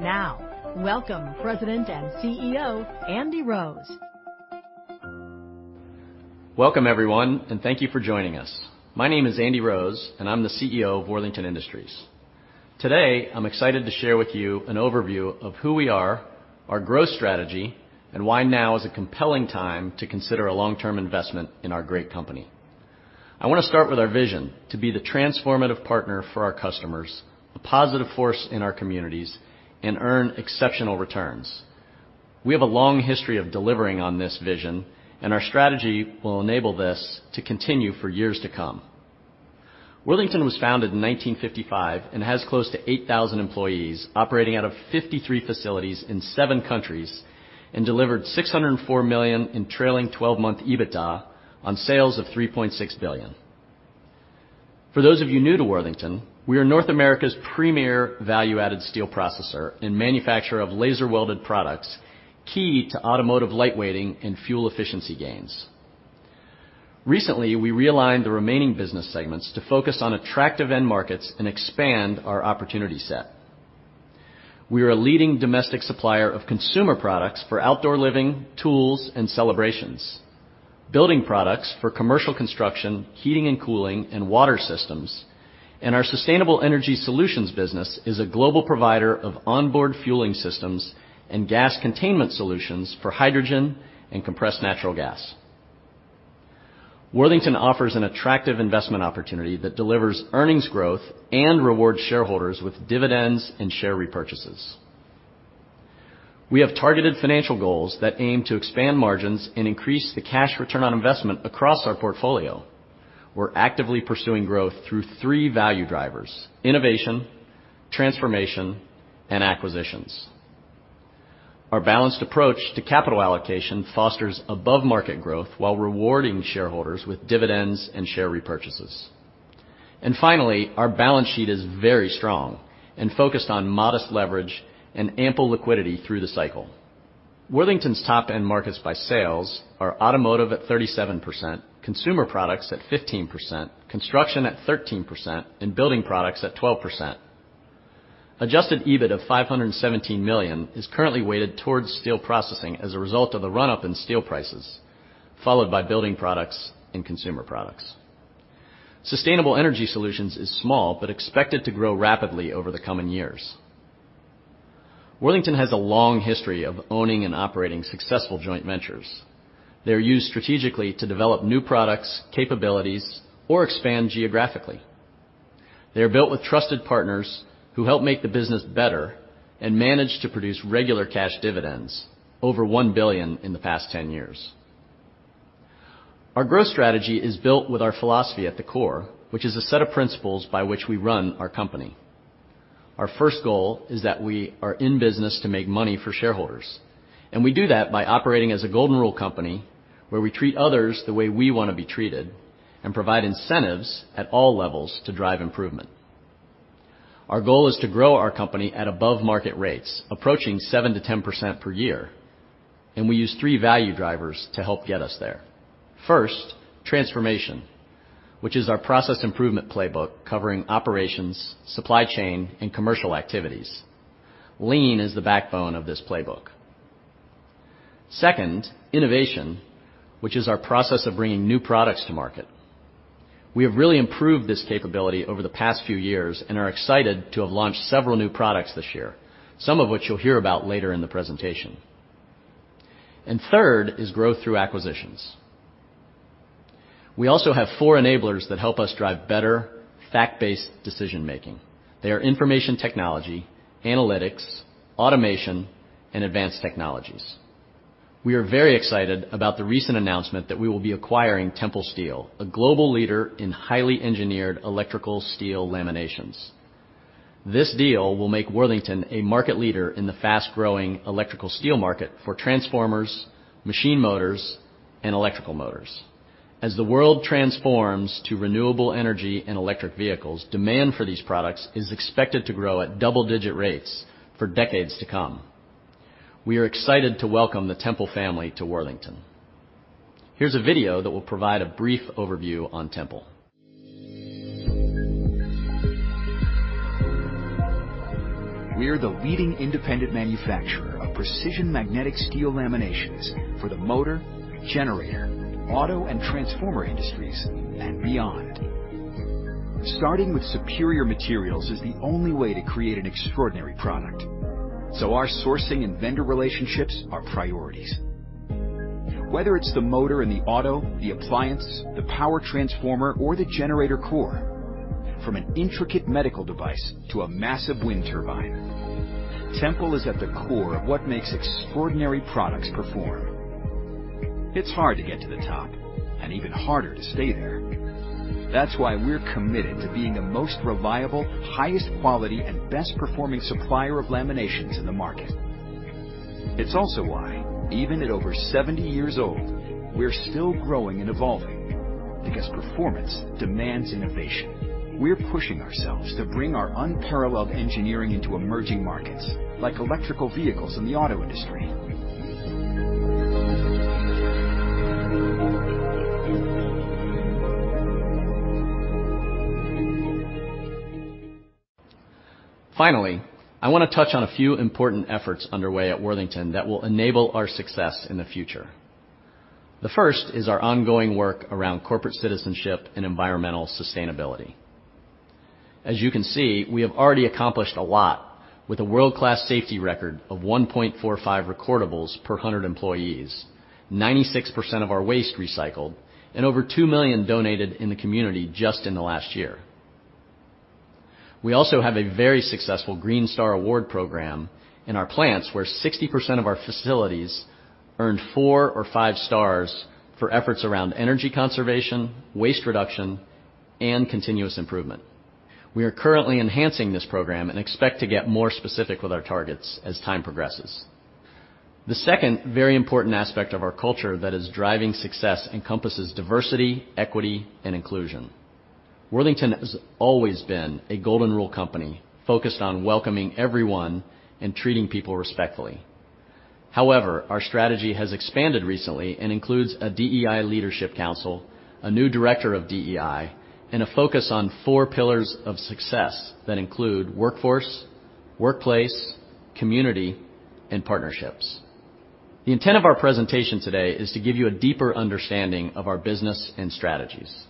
Now, welcome President and CEO, Andy Rose. Welcome everyone, and thank you for joining us. My name is Andy Rose, and I'm the CEO of Worthington Enterprises. Today, I'm excited to share with you an overview of who we are, our growth strategy, and why now is a compelling time to consider a long-term investment in our great company. I wanna start with our vision to be the transformative partner for our customers, a positive force in our communities, and earn exceptional returns. We have a long history of delivering on this vision, and our strategy will enable this to continue for years to come. Worthington was founded in 1955 and has close to 8,000 employees operating out of 53 facilities in seven countries, and delivered $604 million in trailing twelve-month EBITDA on sales of $3.6 billion. For those of you new to Worthington, we are North America's premier value-added steel processor and manufacturer of laser welded products, key to automotive lightweighting, and fuel efficiency gains. Recently, we realigned the remaining business segments to focus on attractive end markets and expand our opportunity set. We are a leading domestic supplier of consumer products for outdoor living, tools, and celebrations, building products for commercial construction, heating and cooling, and water systems, and our sustainable energy solutions business is a global provider of onboard fueling systems and gas containment solutions for hydrogen and compressed natural gas. Worthington offers an attractive investment opportunity that delivers earnings growth and rewards shareholders with dividends and share repurchases. We have targeted financial goals that aim to expand margins and increase the cash return on investment across our portfolio. We're actively pursuing growth through three value drivers, innovation, transformation, and acquisitions. Our balanced approach to capital allocation fosters above market growth while rewarding shareholders with dividends and share repurchases. Finally, our balance sheet is very strong and focused on modest leverage and ample liquidity through the cycle. Worthington's top end markets by sales are Automotive at 37%, Consumer Products at 15%, construction at 13%, and Building Products at 12%. Adjusted EBIT of $517 million is currently weighted towards Steel Processing as a result of the run-up in steel prices, followed by Building Products and Consumer Products. Sustainable Energy Solutions is small but expected to grow rapidly over the coming years. Worthington has a long history of owning and operating successful joint ventures. They're used strategically to develop new products, capabilities, or expand geographically. They are built with trusted partners who help make the business better and manage to produce regular cash dividends, over $1 billion in the past 10 years. Our growth strategy is built with our philosophy at the core, which is a set of principles by which we run our company. Our first goal is that we are in business to make money for shareholders, and we do that by operating as a golden rule company, where we treat others the way we wanna be treated and provide incentives at all levels to drive improvement. Our goal is to grow our company at above market rates, approaching 7%-10% per year, and we use three value drivers to help get us there. First, transformation, which is our process improvement playbook covering operations, supply chain, and commercial activities. Lean is the backbone of this playbook. Second, innovation, which is our process of bringing new products to market. We have really improved this capability over the past few years and are excited to have launched several new products this year, some of which you'll hear about later in the presentation. Third is growth through acquisitions. We also have four enablers that help us drive better fact-based decision-making. They are information technology, analytics, automation, and advanced technologies. We are very excited about the recent announcement that we will be acquiring Tempel Steel, a global leader in highly engineered electrical steel laminations. This deal will make Worthington a market leader in the fast-growing electrical steel market for transformers, machine motors, and electrical motors. As the world transforms to renewable energy and electric vehicles, demand for these products is expected to grow at double digit rates for decades to come. We are excited to welcome the Tempel family to Worthington. Here's a video that will provide a brief overview on Tempel. We are the leading independent manufacturer of precision magnetic steel laminations for the motor, generator, auto, and transformer industries and beyond. Starting with superior materials is the only way to create an extraordinary product, so our sourcing and vendor relationships are priorities. Whether it's the motor in the auto, the appliance, the power transformer, or the generator core, from an intricate medical device to a massive wind turbine, Tempel is at the core of what makes extraordinary products perform. It's hard to get to the top and even harder to stay there. That's why we're committed to being the most reliable, highest quality, and best performing supplier of laminations in the market. It's also why even at over 70 years old, we're still growing and evolving because performance demands innovation. We're pushing ourselves to bring our unparalleled engineering into emerging markets like electric vehicles in the auto industry. Finally, I wanna touch on a few important efforts underway at Worthington that will enable our success in the future. The first is our ongoing work around corporate citizenship and environmental sustainability. As you can see, we have already accomplished a lot with a world-class safety record of 1.45 recordables per 100 employees, 96% of our waste recycled, and over $2 million donated in the community just in the last year. We also have a very successful Green Star Award program in our plants, where 60% of our facilities earn 4 or 5 stars for efforts around energy conservation, waste reduction, and continuous improvement. We are currently enhancing this program and expect to get more specific with our targets as time progresses. The second very important aspect of our culture that is driving success encompasses diversity, equity, and inclusion. Worthington has always been a golden rule company, focused on welcoming everyone and treating people respectfully. However, our strategy has expanded recently and includes a DEI leadership council, a new director of DEI, and a focus on four pillars of success that include workforce, workplace, community, and partnerships. The intent of our presentation today is to give you a deeper understanding of our business and strategies.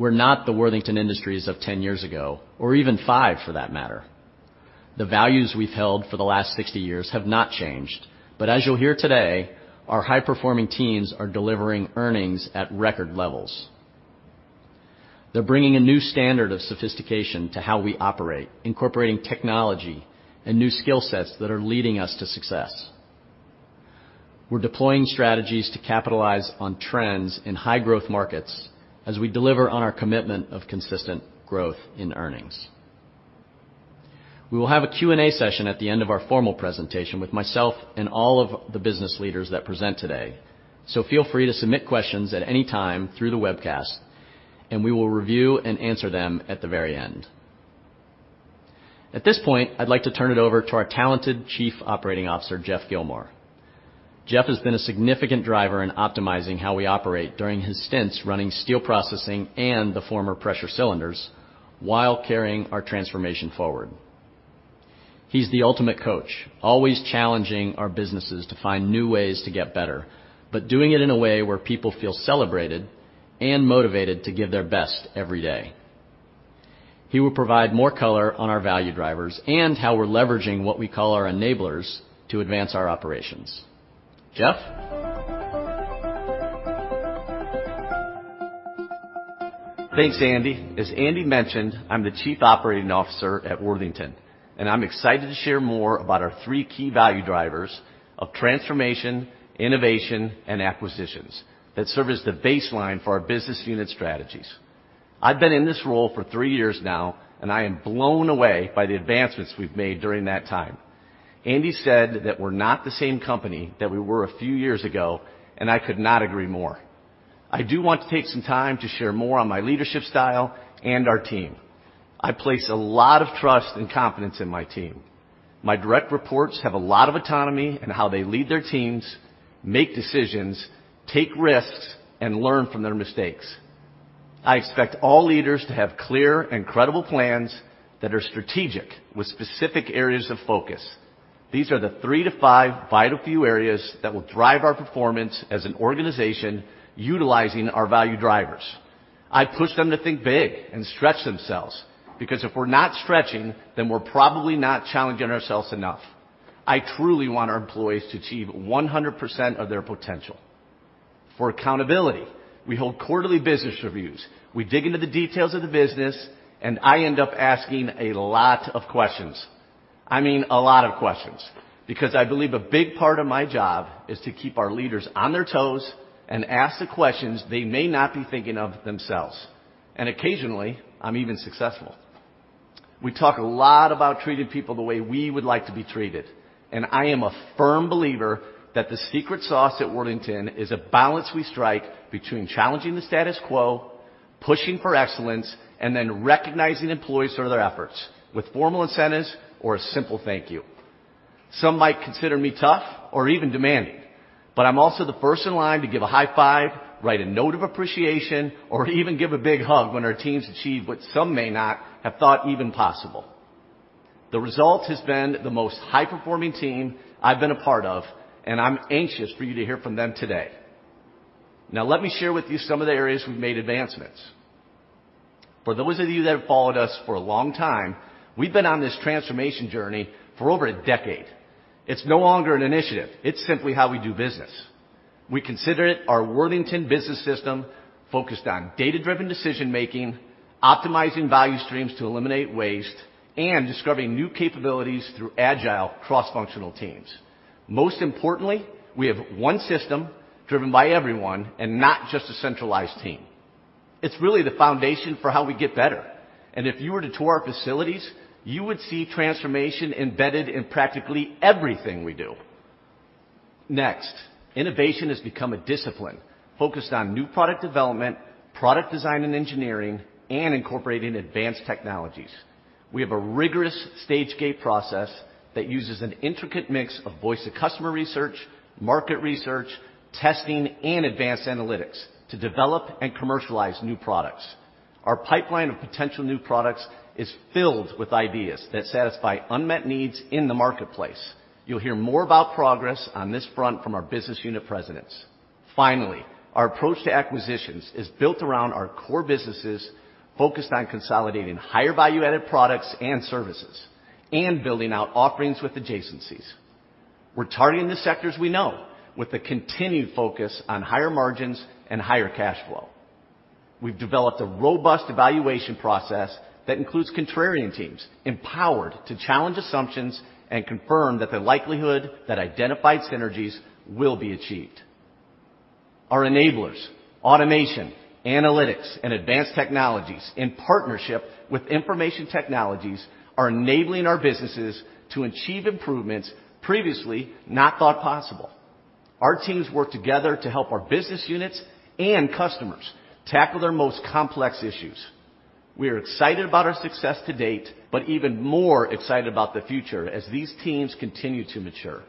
We're not the Worthington Industries of ten years ago, or even five for that matter. The values we've held for the last sixty years have not changed, but as you'll hear today, our high-performing teams are delivering earnings at record levels. They're bringing a new standard of sophistication to how we operate, incorporating technology and new skill sets that are leading us to success. We're deploying strategies to capitalize on trends in high-growth markets as we deliver on our commitment of consistent growth in earnings. We will have a Q&A session at the end of our formal presentation with myself and all of the business leaders that present today. Feel free to submit questions at any time through the webcast, and we will review and answer them at the very end. At this point, I'd like to turn it over to our talented Chief Operating Officer, Geoff Gilmore. Geoff has been a significant driver in optimizing how we operate during his stints running Steel Processing and the former Pressure Cylinders while carrying our transformation forward. He's the ultimate coach, always challenging our businesses to find new ways to get better, but doing it in a way where people feel celebrated and motivated to give their best every day. He will provide more color on our value drivers and how we're leveraging what we call our enablers to advance our operations. Geoff? Thanks, Andy. As Andy mentioned, I'm the Chief Operating Officer at Worthington, and I'm excited to share more about our three key value drivers of transformation, innovation, and acquisitions that serve as the baseline for our business unit strategies. I've been in this role for three years now, and I am blown away by the advancements we've made during that time. Andy said that we're not the same company that we were a few years ago, and I could not agree more. I do want to take some time to share more on my leadership style and our team. I place a lot of trust and confidence in my team. My direct reports have a lot of autonomy in how they lead their teams, make decisions, take risks, and learn from their mistakes. I expect all leaders to have clear and credible plans that are strategic with specific areas of focus. These are the three to five vital few areas that will drive our performance as an organization utilizing our value drivers. I push them to think big and stretch themselves because if we're not stretching, then we're probably not challenging ourselves enough. I truly want our employees to achieve 100% of their potential. For accountability, we hold quarterly business reviews. We dig into the details of the business, and I end up asking a lot of questions. I mean, a lot of questions because I believe a big part of my job is to keep our leaders on their toes and ask the questions they may not be thinking of themselves, and occasionally, I'm even successful. We talk a lot about treating people the way we would like to be treated, and I am a firm believer that the secret sauce at Worthington is a balance we strike between challenging the status quo, pushing for excellence, and then recognizing employees for their efforts with formal incentives or a simple thank you. Some might consider me tough or even demanding, but I'm also the first in line to give a high five, write a note of appreciation, or even give a big hug when our teams achieve what some may not have thought even possible. The result has been the most high-performing team I've been a part of, and I'm anxious for you to hear from them today. Now, let me share with you some of the areas we've made advancements. For those of you that have followed us for a long time, we've been on this transformation journey for over a decade. It's no longer an initiative. It's simply how we do business. We consider it our Worthington business system focused on data-driven decision-making, optimizing value streams to eliminate waste, and discovering new capabilities through agile cross-functional teams. Most importantly, we have one system driven by everyone and not just a centralized team. It's really the foundation for how we get better. If you were to tour our facilities, you would see transformation embedded in practically everything we do. Next, innovation has become a discipline focused on new product development, product design and engineering, and incorporating advanced technologies. We have a rigorous stage gate process that uses an intricate mix of voice of customer research, market research, testing, and advanced analytics to develop and commercialize new products. Our pipeline of potential new products is filled with ideas that satisfy unmet needs in the marketplace. You'll hear more about progress on this front from our business unit presidents. Our approach to acquisitions is built around our core businesses, focused on consolidating higher value-added products and services and building out offerings with adjacencies. We're targeting the sectors we know with a continued focus on higher margins and higher cash flow. We've developed a robust evaluation process that includes contrarian teams empowered to challenge assumptions and confirm that the likelihood that identified synergies will be achieved. Our enablers, automation, analytics, and advanced technologies in partnership with information technologies are enabling our businesses to achieve improvements previously not thought possible. Our teams work together to help our business units and customers tackle their most complex issues. We are excited about our success to date, but even more excited about the future as these teams continue to mature.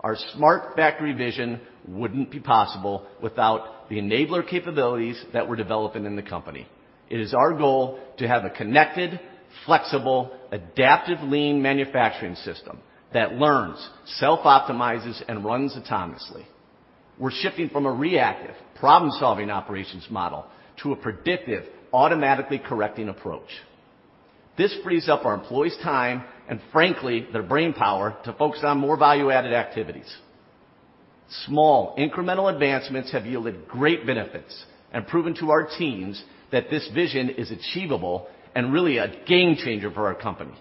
Our smart factory vision wouldn't be possible without the enabler capabilities that we're developing in the company. It is our goal to have a connected, flexible, adaptive, lean manufacturing system that learns, self-optimizes, and runs autonomously. We're shifting from a reactive problem-solving operations model to a predictive, automatically correcting approach. This frees up our employees' time and, frankly, their brainpower to focus on more value-added activities. Small incremental advancements have yielded great benefits and proven to our teams that this vision is achievable and really a game changer for our company.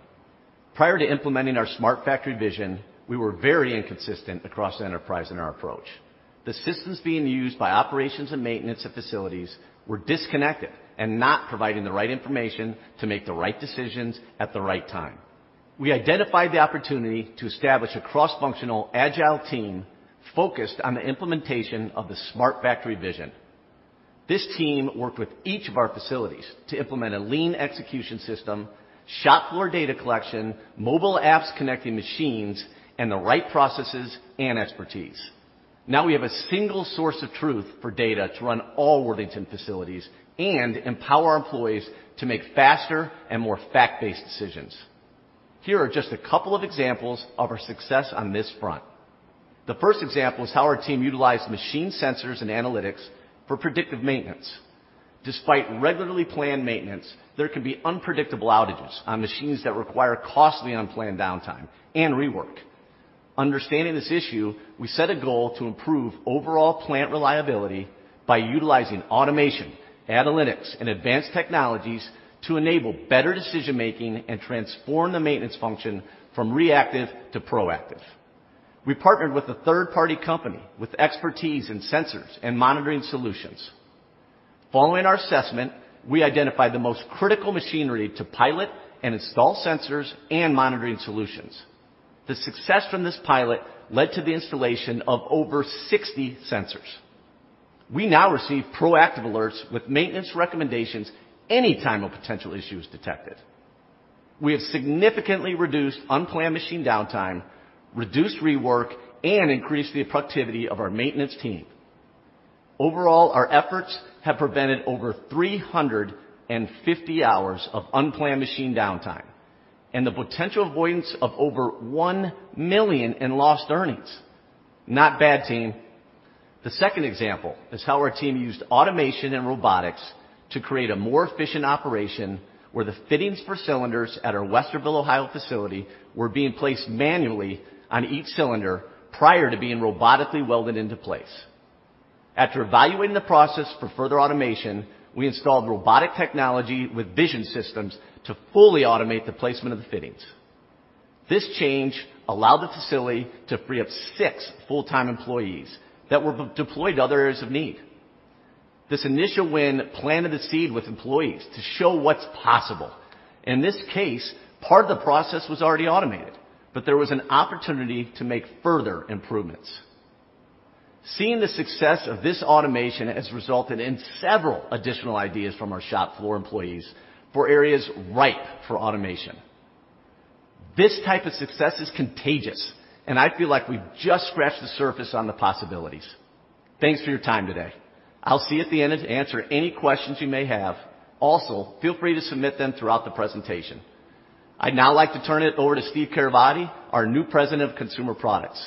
Prior to implementing our smart factory vision, we were very inconsistent across the enterprise in our approach. The systems being used by operations and maintenance at facilities were disconnected and not providing the right information to make the right decisions at the right time. We identified the opportunity to establish a cross-functional agile team focused on the implementation of the smart factory vision. This team worked with each of our facilities to implement a lean execution system, shop floor data collection, mobile apps connecting machines, and the right processes and expertise. Now we have a single source of truth for data to run all Worthington facilities and empower our employees to make faster and more fact-based decisions. Here are just a couple of examples of our success on this front. The first example is how our team utilized machine sensors and analytics for predictive maintenance. Despite regularly planned maintenance, there can be unpredictable outages on machines that require costly, unplanned downtime and rework. Understanding this issue, we set a goal to improve overall plant reliability by utilizing automation, analytics, and advanced technologies to enable better decision making and transform the maintenance function from reactive to proactive. We partnered with a third-party company with expertise in sensors and monitoring solutions. Following our assessment, we identified the most critical machinery to pilot and install sensors and monitoring solutions. The success from this pilot led to the installation of over 60 sensors. We now receive proactive alerts with maintenance recommendations anytime a potential issue is detected. We have significantly reduced unplanned machine downtime, reduced rework, and increased the productivity of our maintenance team. Overall, our efforts have prevented over 350 hours of unplanned machine downtime and the potential avoidance of over $1 million in lost earnings. Not bad, team. The second example is how our team used automation and robotics to create a more efficient operation, where the fittings for cylinders at our Westerville, Ohio, facility were being placed manually on each cylinder prior to being robotically welded into place. After evaluating the process for further automation, we installed robotic technology with vision systems to fully automate the placement of the fittings. This change allowed the facility to free up six full-time employees that were deployed to other areas of need. This initial win planted a seed with employees to show what's possible. In this case, part of the process was already automated, but there was an opportunity to make further improvements. Seeing the success of this automation has resulted in several additional ideas from our shop floor employees for areas ripe for automation. This type of success is contagious, and I feel like we've just scratched the surface on the possibilities. Thanks for your time today. I'll see you at the end to answer any questions you may have. Also, feel free to submit them throughout the presentation. I'd now like to turn it over to Steve Caravati, our new President of Consumer Products.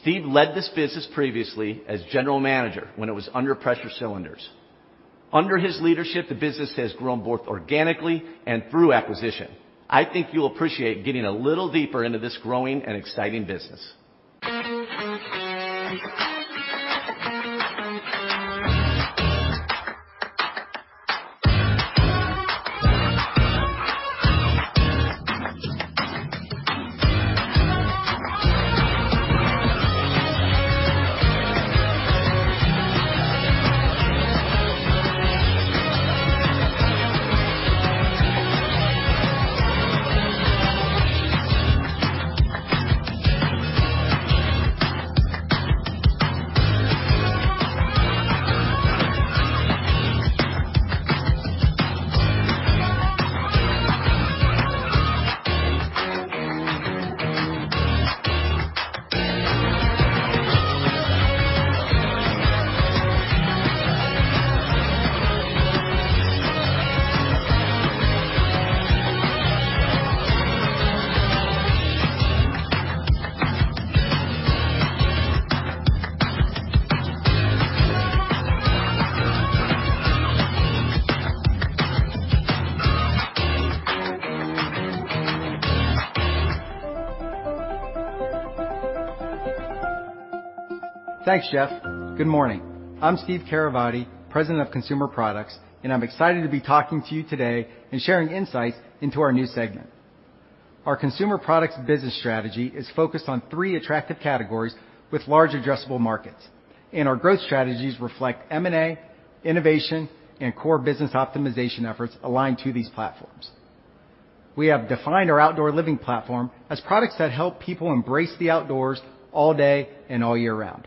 Steve led this business previously as general manager when it was under Pressure Cylinders. Under his leadership, the business has grown both organically and through acquisition. I think you'll appreciate getting a little deeper into this growing and exciting business. Thanks, Geoff. Good morning. I'm Steve Caravati, President of Consumer Products, and I'm excited to be talking to you today and sharing insights into our new segment. Our consumer products business strategy is focused on three attractive categories with large addressable markets, and our growth strategies reflect M&A, innovation, and core business optimization efforts aligned to these platforms. We have defined our outdoor living platform as products that help people embrace the outdoors all day and all year round.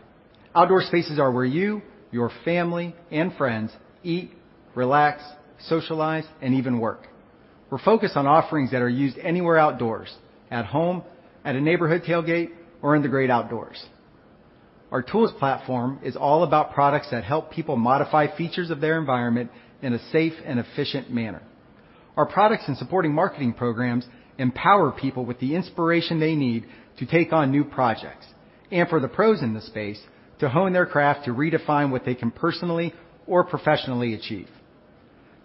Outdoor spaces are where you, your family, and friends eat, relax, socialize, and even work. We're focused on offerings that are used anywhere outdoors, at home, at a neighborhood tailgate, or in the great outdoors. Our tools platform is all about products that help people modify features of their environment in a safe and efficient manner. Our products and supporting marketing programs empower people with the inspiration they need to take on new projects, and for the pros in the space, to hone their craft to redefine what they can personally or professionally achieve.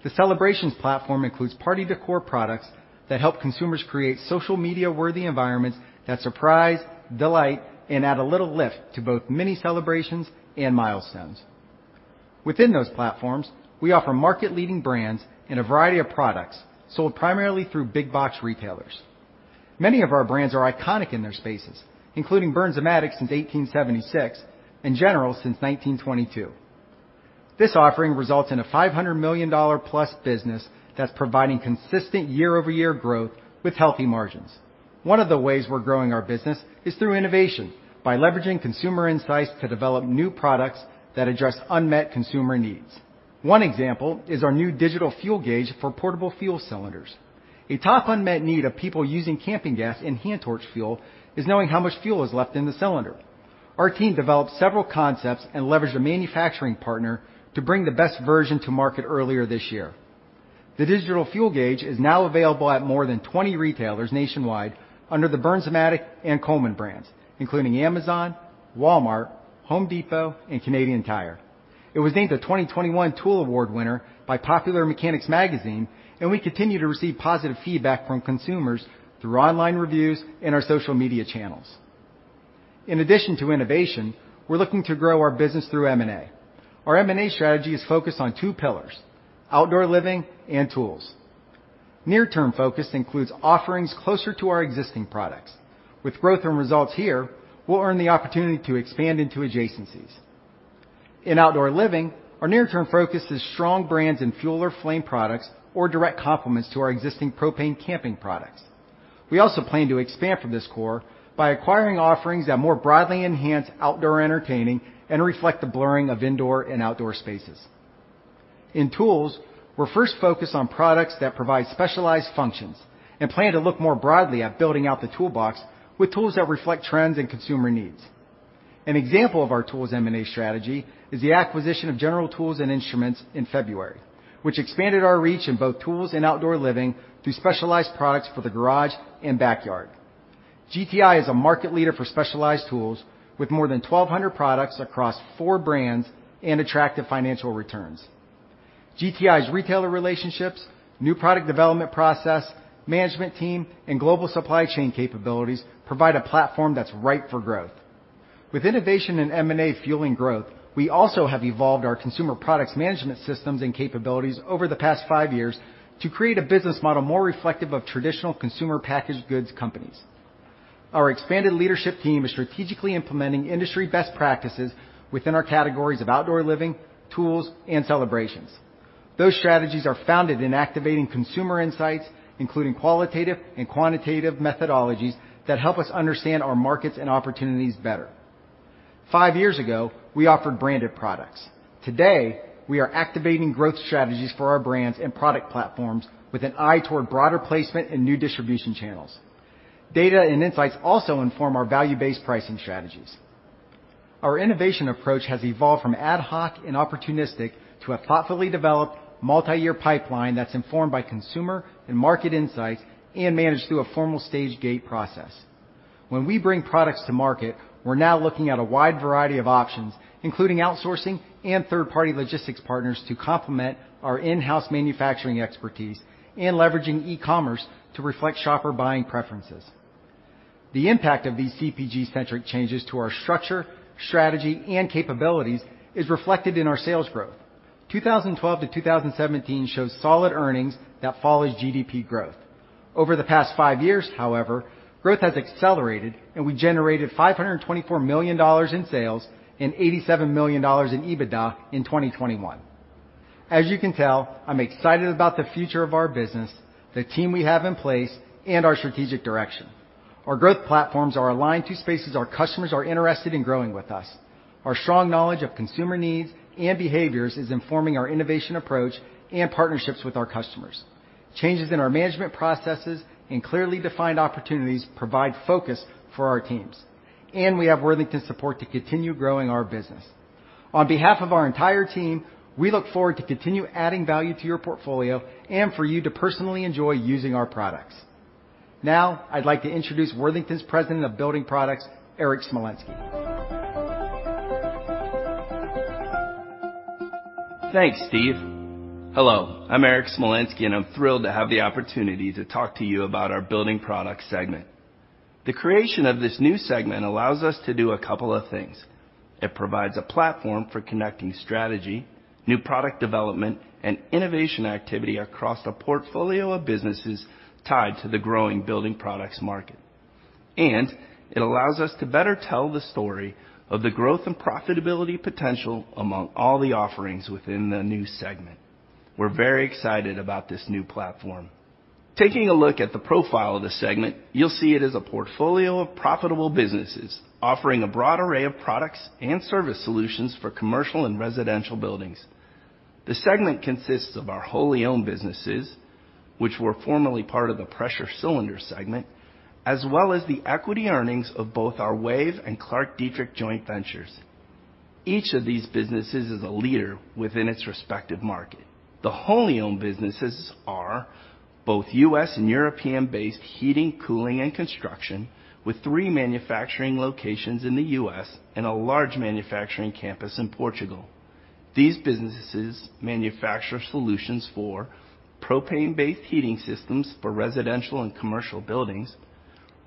The celebrations platform includes party decor products that help consumers create social media-worthy environments that surprise, delight, and add a little lift to both mini celebrations and milestones. Within those platforms, we offer market-leading brands in a variety of products sold primarily through big box retailers. Many of our brands are iconic in their spaces, including Bernzomatic since 1876 and General since 1922. This offering results in a $500 million-plus business that's providing consistent year-over-year growth with healthy margins. One of the ways we're growing our business is through innovation by leveraging consumer insights to develop new products that address unmet consumer needs. One example is our new digital fuel gauge for portable fuel cylinders. A top unmet need of people using camping gas and hand torch fuel is knowing how much fuel is left in the cylinder. Our team developed several concepts and leveraged a manufacturing partner to bring the best version to market earlier this year. The digital fuel gauge is now available at more than 20 retailers nationwide under the Bernzomatic and Coleman brands, including Amazon, Walmart, Home Depot, and Canadian Tire. It was named the 2021 Tool Award winner by Popular Mechanics, and we continue to receive positive feedback from consumers through online reviews and our social media channels. In addition to innovation, we're looking to grow our business through M&A. Our M&A strategy is focused on two pillars, outdoor living and tools. Near-term focus includes offerings closer to our existing products. With growth and results here, we'll earn the opportunity to expand into adjacencies. In outdoor living, our near-term focus is strong brands and fuel or flame products or direct complements to our existing propane camping products. We also plan to expand from this core by acquiring offerings that more broadly enhance outdoor entertaining and reflect the blurring of indoor and outdoor spaces. In tools, we're first focused on products that provide specialized functions and plan to look more broadly at building out the toolbox with tools that reflect trends and consumer needs. An example of our tools M&A strategy is the acquisition of General Tools & Instruments in February, which expanded our reach in both tools and outdoor living through specialized products for the garage and backyard. GTI is a market leader for specialized tools with more than 1,200 products across four brands and attractive financial returns. GTI's retailer relationships, new product development process, management team, and global supply chain capabilities provide a platform that's ripe for growth. With innovation in M&A fueling growth, we also have evolved our consumer products management systems and capabilities over the past five years to create a business model more reflective of traditional consumer packaged goods companies. Our expanded leadership team is strategically implementing industry best practices within our categories of outdoor living, tools, and celebrations. Those strategies are founded in activating consumer insights, including qualitative and quantitative methodologies that help us understand our markets and opportunities better. Five years ago, we offered branded products. Today, we are activating growth strategies for our brands and product platforms with an eye toward broader placement and new distribution channels. Data and insights also inform our value-based pricing strategies. Our innovation approach has evolved from ad hoc and opportunistic to a thoughtfully developed multi-year pipeline that's informed by consumer and market insights and managed through a formal stage gate process. When we bring products to market, we're now looking at a wide variety of options, including outsourcing and third-party logistics partners to complement our in-house manufacturing expertise and leveraging e-commerce to reflect shopper buying preferences. The impact of these CPG-centric changes to our structure, strategy, and capabilities is reflected in our sales growth. 2012 to 2017 shows solid earnings that follows GDP growth. Over the past 5 years, however, growth has accelerated, and we generated $524 million in sales and $87 million in EBITDA in 2021. As you can tell, I'm excited about the future of our business, the team we have in place, and our strategic direction. Our growth platforms are aligned to spaces our customers are interested in growing with us. Our strong knowledge of consumer needs and behaviors is informing our innovation approach and partnerships with our customers. Changes in our management processes and clearly defined opportunities provide focus for our teams. We have Worthington support to continue growing our business. On behalf of our entire team, we look forward to continue adding value to your portfolio and for you to personally enjoy using our products. Now, I'd like to introduce Worthington's President of Building Products, Eric Smolenski. Thanks, Steve. Hello, I'm Eric Smolenski, and I'm thrilled to have the opportunity to talk to you about our Building Products segment. The creation of this new segment allows us to do a couple of things. It provides a platform for connecting strategy, new product development, and innovation activity across a portfolio of businesses tied to the growing building products market. It allows us to better tell the story of the growth and profitability potential among all the offerings within the new segment. We're very excited about this new platform. Taking a look at the profile of the segment, you'll see it as a portfolio of profitable businesses offering a broad array of products and service solutions for commercial and residential buildings. The segment consists of our wholly owned businesses, which were formerly part of the Pressure Cylinders segment, as well as the equity earnings of both our WAVE and ClarkDietrich joint ventures. Each of these businesses is a leader within its respective market. The wholly owned businesses are both U.S. and European-based Heating, Cooling and Construction, with three manufacturing locations in the U.S. and a large manufacturing campus in Portugal. These businesses manufacture solutions for propane-based heating systems for residential and commercial buildings,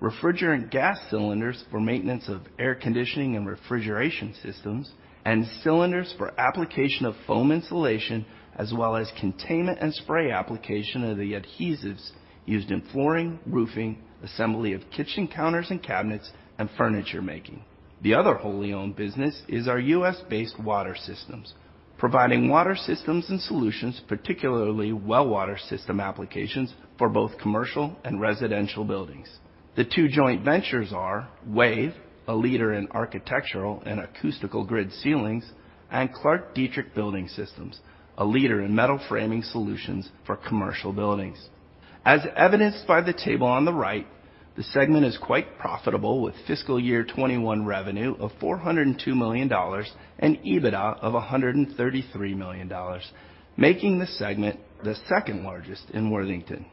refrigerant gas cylinders for maintenance of air conditioning and refrigeration systems, and cylinders for application of foam insulation, as well as containment and spray application of the adhesives used in flooring, roofing, assembly of kitchen counters and cabinets, and furniture making. The other wholly owned business is our U.S.-based water systems, providing water systems and solutions, particularly well water system applications, for both commercial and residential buildings. The two joint ventures are WAVE, a leader in architectural and acoustical grid ceilings, and ClarkDietrich Building Systems, a leader in metal framing solutions for commercial buildings. As evidenced by the table on the right, the segment is quite profitable with fiscal year 2021 revenue of $402 million and EBITDA of $133 million, making this segment the second largest in Worthington.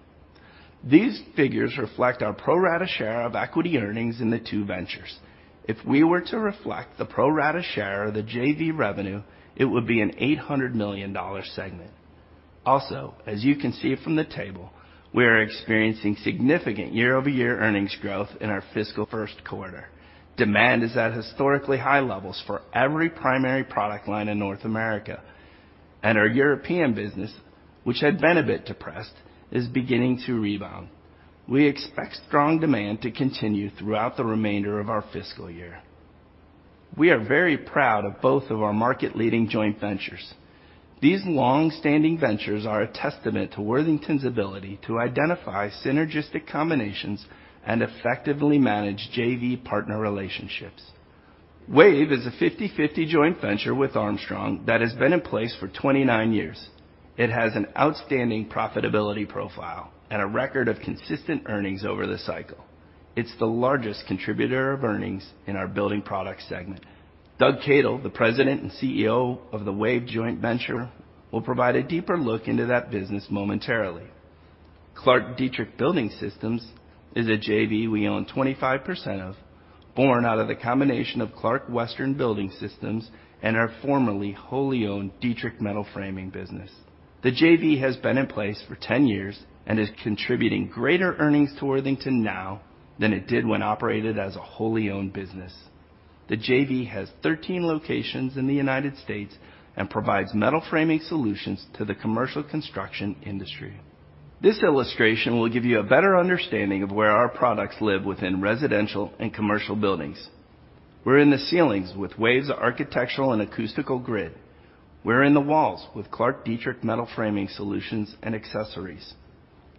These figures reflect our pro rata share of equity earnings in the two ventures. If we were to reflect the pro rata share of the JV revenue, it would be an $800 million segment. Also, as you can see from the table, we are experiencing significant year-over-year earnings growth in our fiscal first quarter. Demand is at historically high levels for every primary product line in North America. Our European business, which had been a bit depressed, is beginning to rebound. We expect strong demand to continue throughout the remainder of our fiscal year. We are very proud of both of our market-leading joint ventures. These long-standing ventures are a testament to Worthington's ability to identify synergistic combinations and effectively manage JV partner relationships. WAVE is a 50/50 joint venture with Armstrong that has been in place for 29 years. It has an outstanding profitability profile and a record of consistent earnings over the cycle. It's the largest contributor of earnings in our building product segment. Doug Cadle, the President and CEO of the WAVE Joint Venture, will provide a deeper look into that business momentarily. ClarkDietrich Building Systems is a JV we own 25% of, born out of the combination of ClarkWestern Building Systems and our formerly wholly owned Dietrich Metal Framing business. The JV has been in place for 10 years and is contributing greater earnings to Worthington now than it did when operated as a wholly owned business. The JV has 13 locations in the United States and provides metal framing solutions to the commercial construction industry. This illustration will give you a better understanding of where our products live within residential and commercial buildings. We're in the ceilings with Wave's architectural and acoustical grid. We're in the walls with ClarkDietrich metal framing solutions and accessories. We're in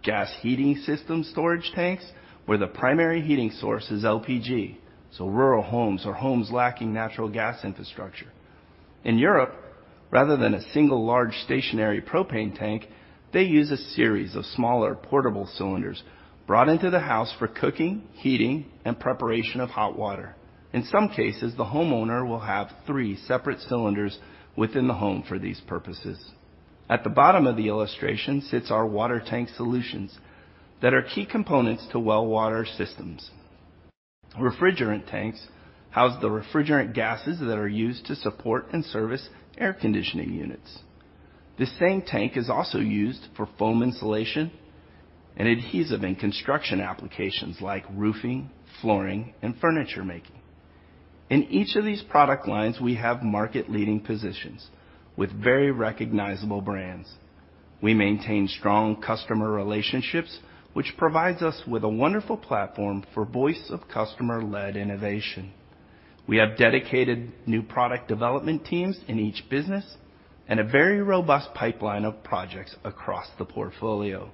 gas heating system storage tanks where the primary heating source is LPG, so rural homes or homes lacking natural gas infrastructure. In Europe, rather than a single large stationary propane tank, they use a series of smaller portable cylinders brought into the house for cooking, heating, and preparation of hot water. In some cases, the homeowner will have three separate cylinders within the home for these purposes. At the bottom of the illustration sits our water tank solutions that are key components to well water systems. Refrigerant tanks house the refrigerant gases that are used to support and service air conditioning units. The same tank is also used for foam insulation and adhesive in construction applications like roofing, flooring, and furniture making. In each of these product lines, we have market leading positions with very recognizable brands. We maintain strong customer relationships, which provides us with a wonderful platform for voice of customer-led innovation. We have dedicated new product development teams in each business and a very robust pipeline of projects across the portfolio.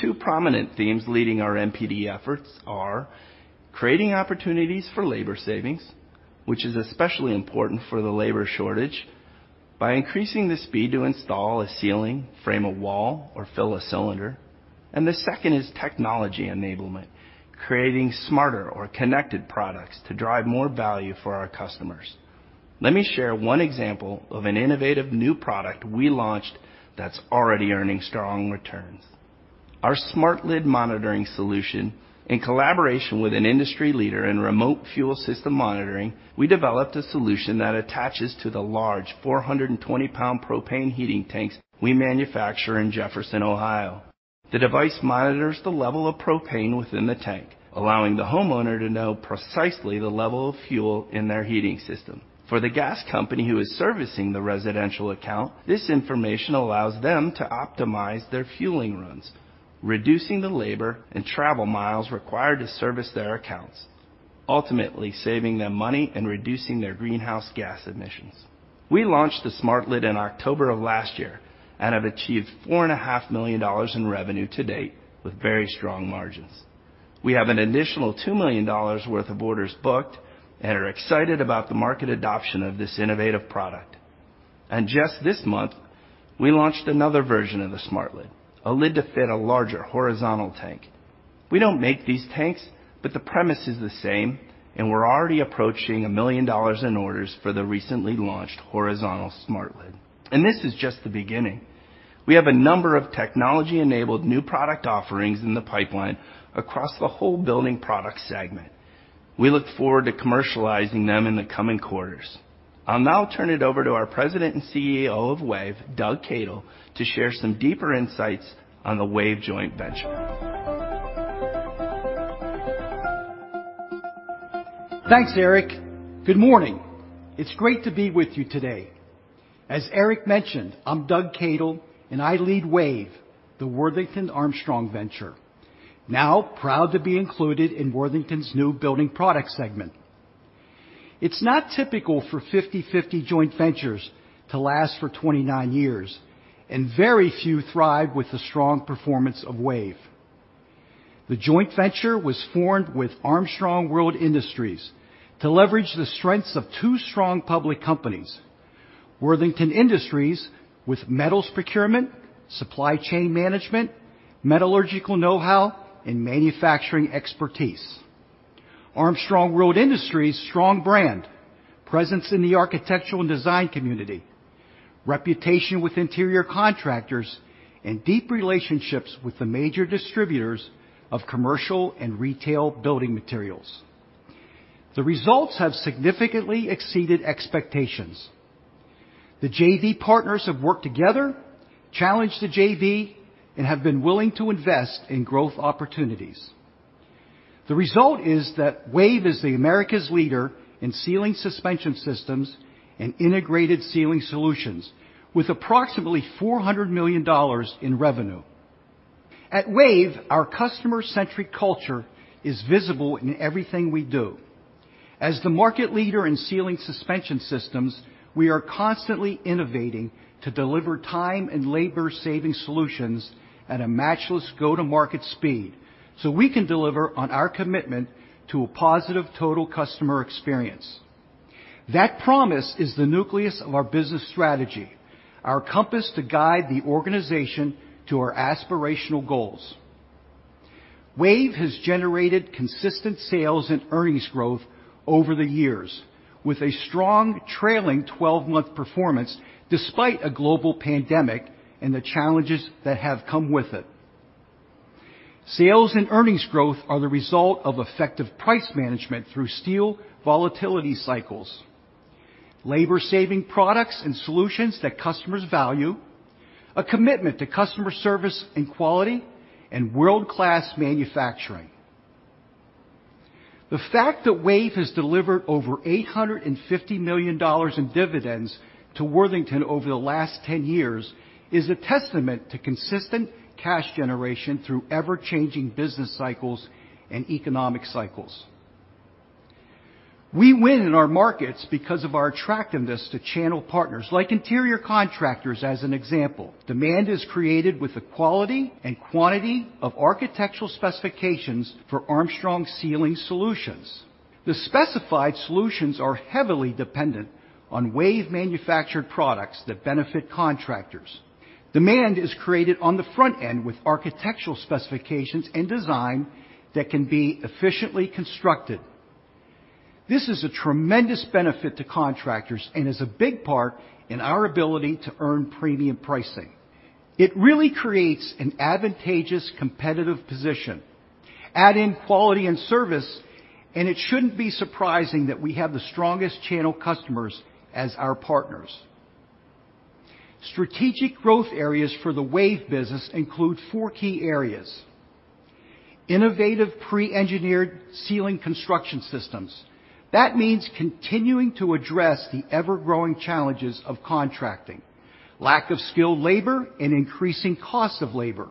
Two prominent themes leading our NPD efforts are creating opportunities for labor savings, which is especially important for the labor shortage by increasing the speed to install a ceiling, frame a wall, or fill a cylinder. The second is technology enablement, creating smarter or connected products to drive more value for our customers. Let me share one example of an innovative new product we launched that's already earning strong returns. Our Smart Lid monitoring solution. In collaboration with an industry leader in remote fuel system monitoring, we developed a solution that attaches to the large 420-pound propane heating tanks we manufacture in Jefferson, Ohio. The device monitors the level of propane within the tank, allowing the homeowner to know precisely the level of fuel in their heating system. For the gas company who is servicing the residential account, this information allows them to optimize their fueling runs, reducing the labor and travel miles required to service their accounts, ultimately saving them money and reducing their greenhouse gas emissions. We launched the Smart Lid in October of last year and have achieved $4.5 million in revenue to date with very strong margins. We have an additional $2 million worth of orders booked and are excited about the market adoption of this innovative product. Just this month, we launched another version of the Smart Lid, a lid to fit a larger horizontal tank. We don't make these tanks, but the premise is the same, and we're already approaching $1 million in orders for the recently launched horizontal Smart Lid. This is just the beginning. We have a number of technology-enabled new product offerings in the pipeline across the whole building product segment. We look forward to commercializing them in the coming quarters. I'll now turn it over to our President and CEO of WAVE, Doug Cadle, to share some deeper insights on the WAVE joint venture. Thanks, Eric. Good morning. It's great to be with you today. As Eric mentioned, I'm Doug Cadle, and I lead WAVE, the Worthington Armstrong Venture, now proud to be included in Worthington's new building product segment. It's not typical for 50/50 joint ventures to last for 29 years, and very few thrive with the strong performance of WAVE. The joint venture was formed with Armstrong World Industries to leverage the strengths of two strong public companies, Worthington Industries, with metals procurement, supply chain management, metallurgical know-how, and manufacturing expertise. Armstrong World Industries' strong brand, presence in the architectural and design community, reputation with interior contractors, and deep relationships with the major distributors of commercial and retail building materials. The results have significantly exceeded expectations. The JV partners have worked together, challenged the JV, and have been willing to invest in growth opportunities. The result is that WAVE is America's leader in ceiling suspension systems and integrated ceiling solutions with approximately $400 million in revenue. At WAVE, our customer-centric culture is visible in everything we do. As the market leader in ceiling suspension systems, we are constantly innovating to deliver time and labor saving solutions at a matchless go-to-market speed so we can deliver on our commitment to a positive total customer experience. That promise is the nucleus of our business strategy, our compass to guide the organization to our aspirational goals. WAVE has generated consistent sales and earnings growth over the years with a strong trailing twelve-month performance despite a global pandemic and the challenges that have come with it. Sales and earnings growth are the result of effective price management through steel volatility cycles, labor-saving products and solutions that customers value, a commitment to customer service and quality, and world-class manufacturing. The fact that WAVE has delivered over $850 million in dividends to Worthington over the last 10 years is a testament to consistent cash generation through ever-changing business cycles and economic cycles. We win in our markets because of our attractiveness to channel partners. Like interior contractors, as an example, demand is created with the quality and quantity of architectural specifications for Armstrong Ceiling Solutions. The specified solutions are heavily dependent on WAVE manufactured products that benefit contractors. Demand is created on the front end with architectural specifications and design that can be efficiently constructed. This is a tremendous benefit to contractors and is a big part in our ability to earn premium pricing. It really creates an advantageous competitive position. Add in quality and service, and it shouldn't be surprising that we have the strongest channel customers as our partners. Strategic growth areas for the WAVE business include four key areas. Innovative pre-engineered ceiling construction systems. That means continuing to address the ever-growing challenges of contracting, lack of skilled labor, and increasing cost of labor.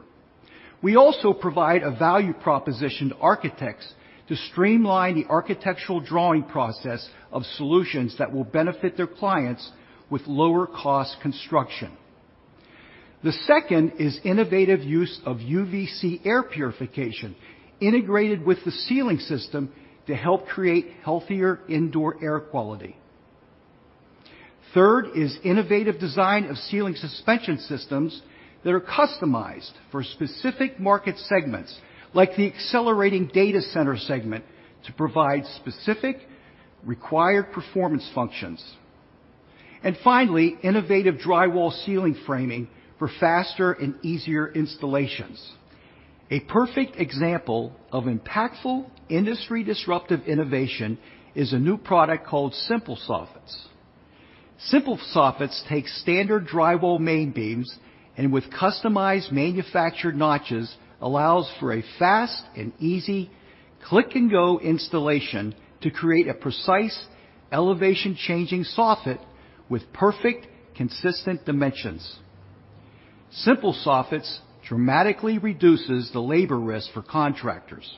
We also provide a value proposition to architects to streamline the architectural drawing process of solutions that will benefit their clients with lower cost construction. The second is innovative use of UVC air purification integrated with the ceiling system to help create healthier indoor air quality. Third is innovative design of ceiling suspension systems that are customized for specific market segments, like the accelerating data center segment, to provide specific required performance functions. Finally, innovative drywall ceiling framing for faster and easier installations. A perfect example of impactful industry disruptive innovation is a new product called Simple Soffit. Simple Soffit takes standard drywall main beams, and with customized manufactured notches, allows for a fast and easy click and go installation to create a precise elevation changing soffit with perfect, consistent dimensions. Simple Soffit dramatically reduces the labor risk for contractors.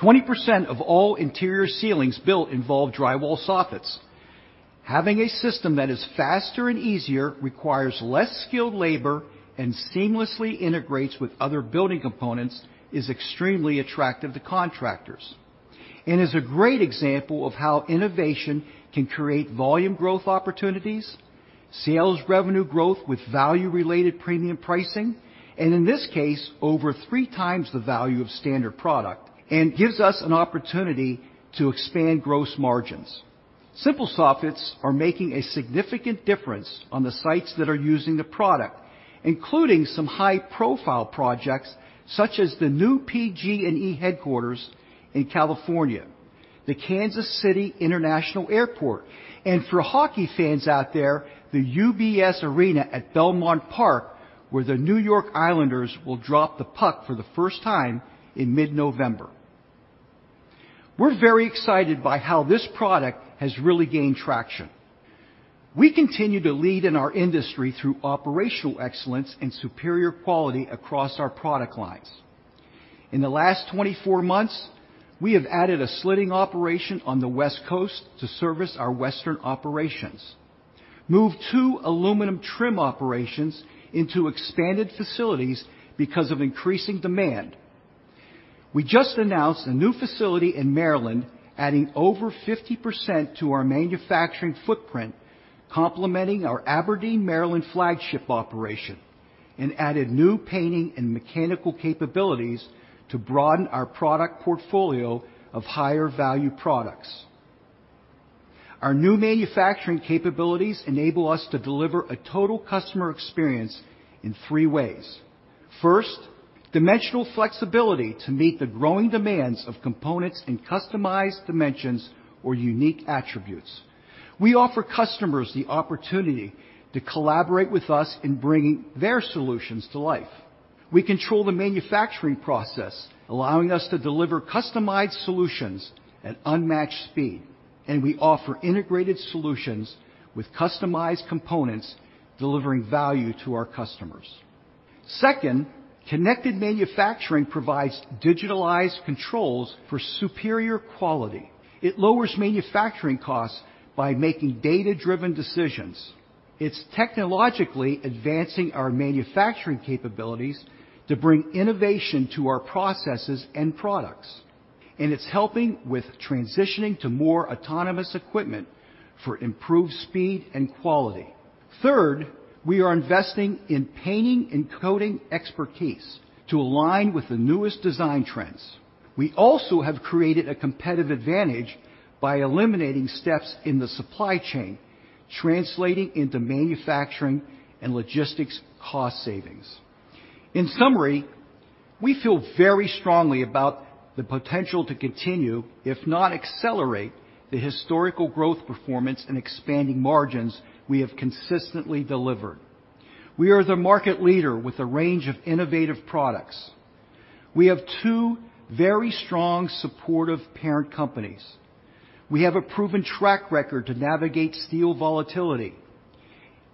20% of all interior ceilings built involve drywall soffits. Having a system that is faster and easier, requires less skilled labor, and seamlessly integrates with other building components is extremely attractive to contractors and is a great example of how innovation can create volume growth opportunities, sales revenue growth with value-related premium pricing, and in this case, over three times the value of standard product, and gives us an opportunity to expand gross margins. Simple Soffit are making a significant difference on the sites that are using the product, including some high-profile projects such as the new PG&E headquarters in California, the Kansas City International Airport, and for hockey fans out there, the UBS Arena at Belmont Park, where the New York Islanders will drop the puck for the first time in mid-November. We're very excited by how this product has really gained traction. We continue to lead in our industry through operational excellence and superior quality across our product lines. In the last 24 months, we have added a slitting operation on the West Coast to service our western operations, moved two aluminum trim operations into expanded facilities because of increasing demand. We just announced a new facility in Maryland, adding over 50% to our manufacturing footprint, complementing our Aberdeen, Maryland flagship operation, and added new painting and mechanical capabilities to broaden our product portfolio of higher value products. Our new manufacturing capabilities enable us to deliver a total customer experience in three ways. First, dimensional flexibility to meet the growing demands of components in customized dimensions or unique attributes. We offer customers the opportunity to collaborate with us in bringing their solutions to life. We control the manufacturing process, allowing us to deliver customized solutions at unmatched speed, and we offer integrated solutions with customized components, delivering value to our customers. Second, connected manufacturing provides digitalized controls for superior quality. It lowers manufacturing costs by making data-driven decisions. It's technologically advancing our manufacturing capabilities to bring innovation to our processes and products. It's helping with transitioning to more autonomous equipment for improved speed and quality. Third, we are investing in painting and coating expertise to align with the newest design trends. We also have created a competitive advantage by eliminating steps in the supply chain, translating into manufacturing and logistics cost savings. In summary, we feel very strongly about the potential to continue, if not accelerate, the historical growth performance and expanding margins we have consistently delivered. We are the market leader with a range of innovative products. We have two very strong, supportive parent companies. We have a proven track record to navigate steel volatility,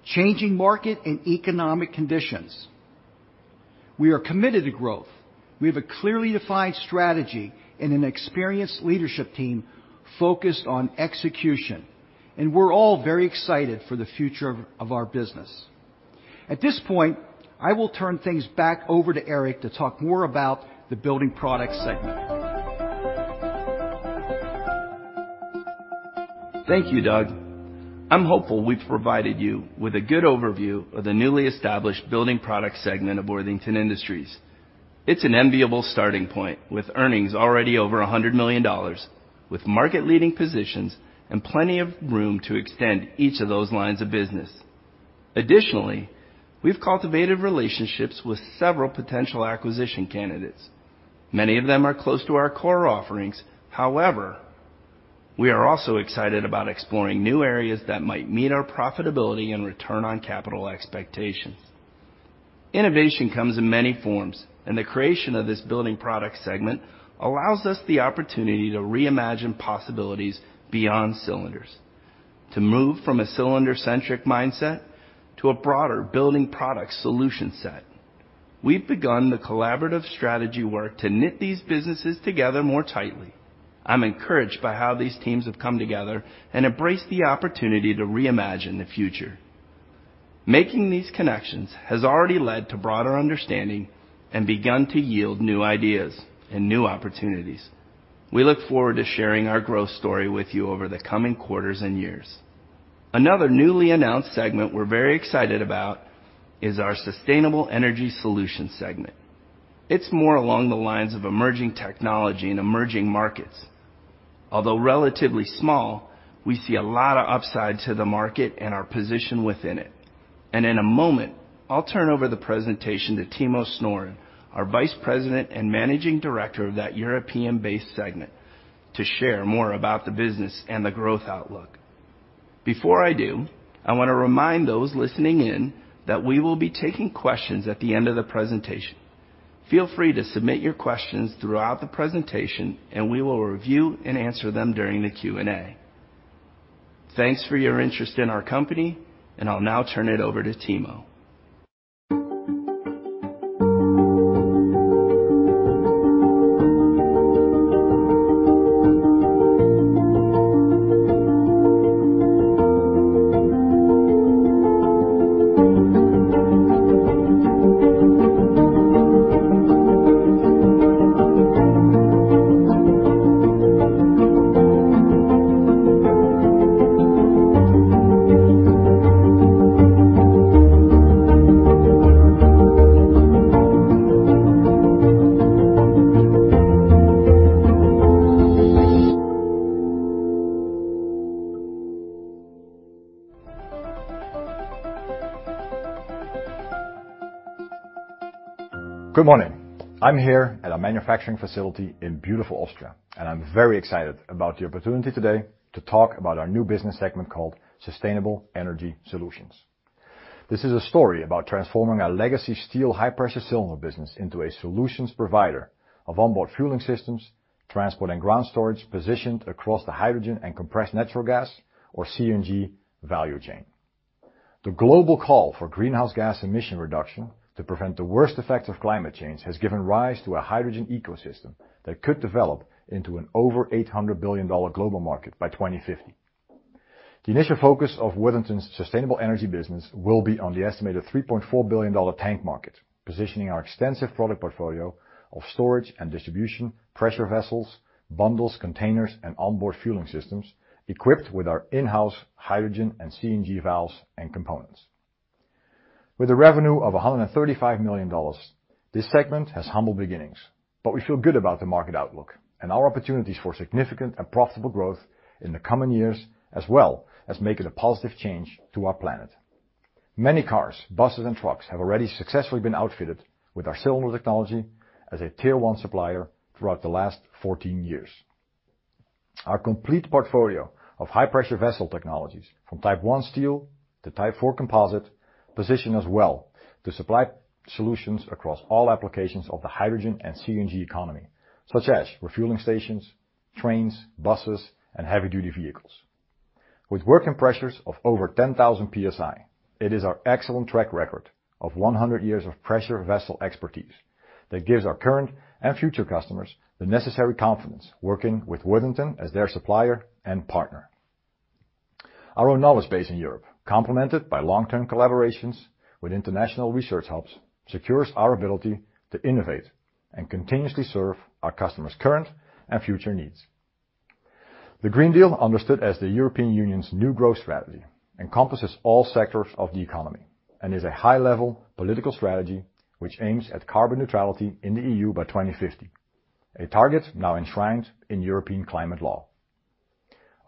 changing market and economic conditions. We are committed to growth. We have a clearly defined strategy and an experienced leadership team focused on execution, and we're all very excited for the future of our business. At this point, I will turn things back over to Eric to talk more about the Building Products segment. Thank you, Doug. I'm hopeful we've provided you with a good overview of the newly established Building Products segment of Worthington Industries. It's an enviable starting point, with earnings already over $100 million, with market-leading positions and plenty of room to extend each of those lines of business. Additionally, we've cultivated relationships with several potential acquisition candidates. Many of them are close to our core offerings. However, we are also excited about exploring new areas that might meet our profitability and return on capital expectations. Innovation comes in many forms, and the creation of this Building Products segment allows us the opportunity to reimagine possibilities beyond cylinders. To move from a cylinder-centric mindset to a broader building product solution set. We've begun the collaborative strategy work to knit these businesses together more tightly. I'm encouraged by how these teams have come together and embrace the opportunity to reimagine the future. Making these connections has already led to broader understanding and begun to yield new ideas and new opportunities. We look forward to sharing our growth story with you over the coming quarters and years. Another newly announced segment we're very excited about is our sustainable energy solutions segment. It's more along the lines of emerging technology and emerging markets. Although relatively small, we see a lot of upside to the market and our position within it. In a moment, I'll turn over the presentation to Timo Snoeren, our Vice President and Managing Director of that European-based segment, to share more about the business and the growth outlook. Before I do, I wanna remind those listening in that we will be taking questions at the end of the presentation. Feel free to submit your questions throughout the presentation, and we will review and answer them during the Q&A. Thanks for your interest in our company, and I'll now turn it over to Timo. Good morning. I'm here at our manufacturing facility in beautiful Austria, and I'm very excited about the opportunity today to talk about our new business segment called Sustainable Energy Solutions. This is a story about transforming our legacy steel high-pressure cylinder business into a solutions provider of onboard fueling systems, transport and ground storage positioned across the hydrogen and compressed natural gas or CNG value chain. The global call for greenhouse gas emission reduction to prevent the worst effects of climate change has given rise to a hydrogen ecosystem that could develop into an over $800 billion global market by 2050. The initial focus of Worthington's sustainable energy business will be on the estimated $3.4 billion tank market, positioning our extensive product portfolio of storage and distribution, pressure vessels, bundles, containers, and onboard fueling systems equipped with our in-house hydrogen and CNG valves and components. With a revenue of $135 million, this segment has humble beginnings, but we feel good about the market outlook and our opportunities for significant and profitable growth in the coming years, as well as making a positive change to our planet. Many cars, buses, and trucks have already successfully been outfitted with our cylinder technology as a tier one supplier throughout the last 14 years. Our complete portfolio of high-pressure vessel technologies from type 1 steel to type 4 composite position us well to supply solutions across all applications of the hydrogen and CNG economy, such as refueling stations, trains, buses, and heavy-duty vehicles. With working pressures of over 10,000 PSI, it is our excellent track record of 100 years of pressure vessel expertise that gives our current and future customers the necessary confidence working with Worthington as their supplier and partner. Our own knowledge base in Europe, complemented by long-term collaborations with international research hubs, secures our ability to innovate and continuously serve our customers' current and future needs. The European Green Deal, understood as the European Union's new growth strategy, encompasses all sectors of the economy and is a high-level political strategy which aims at carbon neutrality in the EU by 2050, a target now enshrined in European climate law.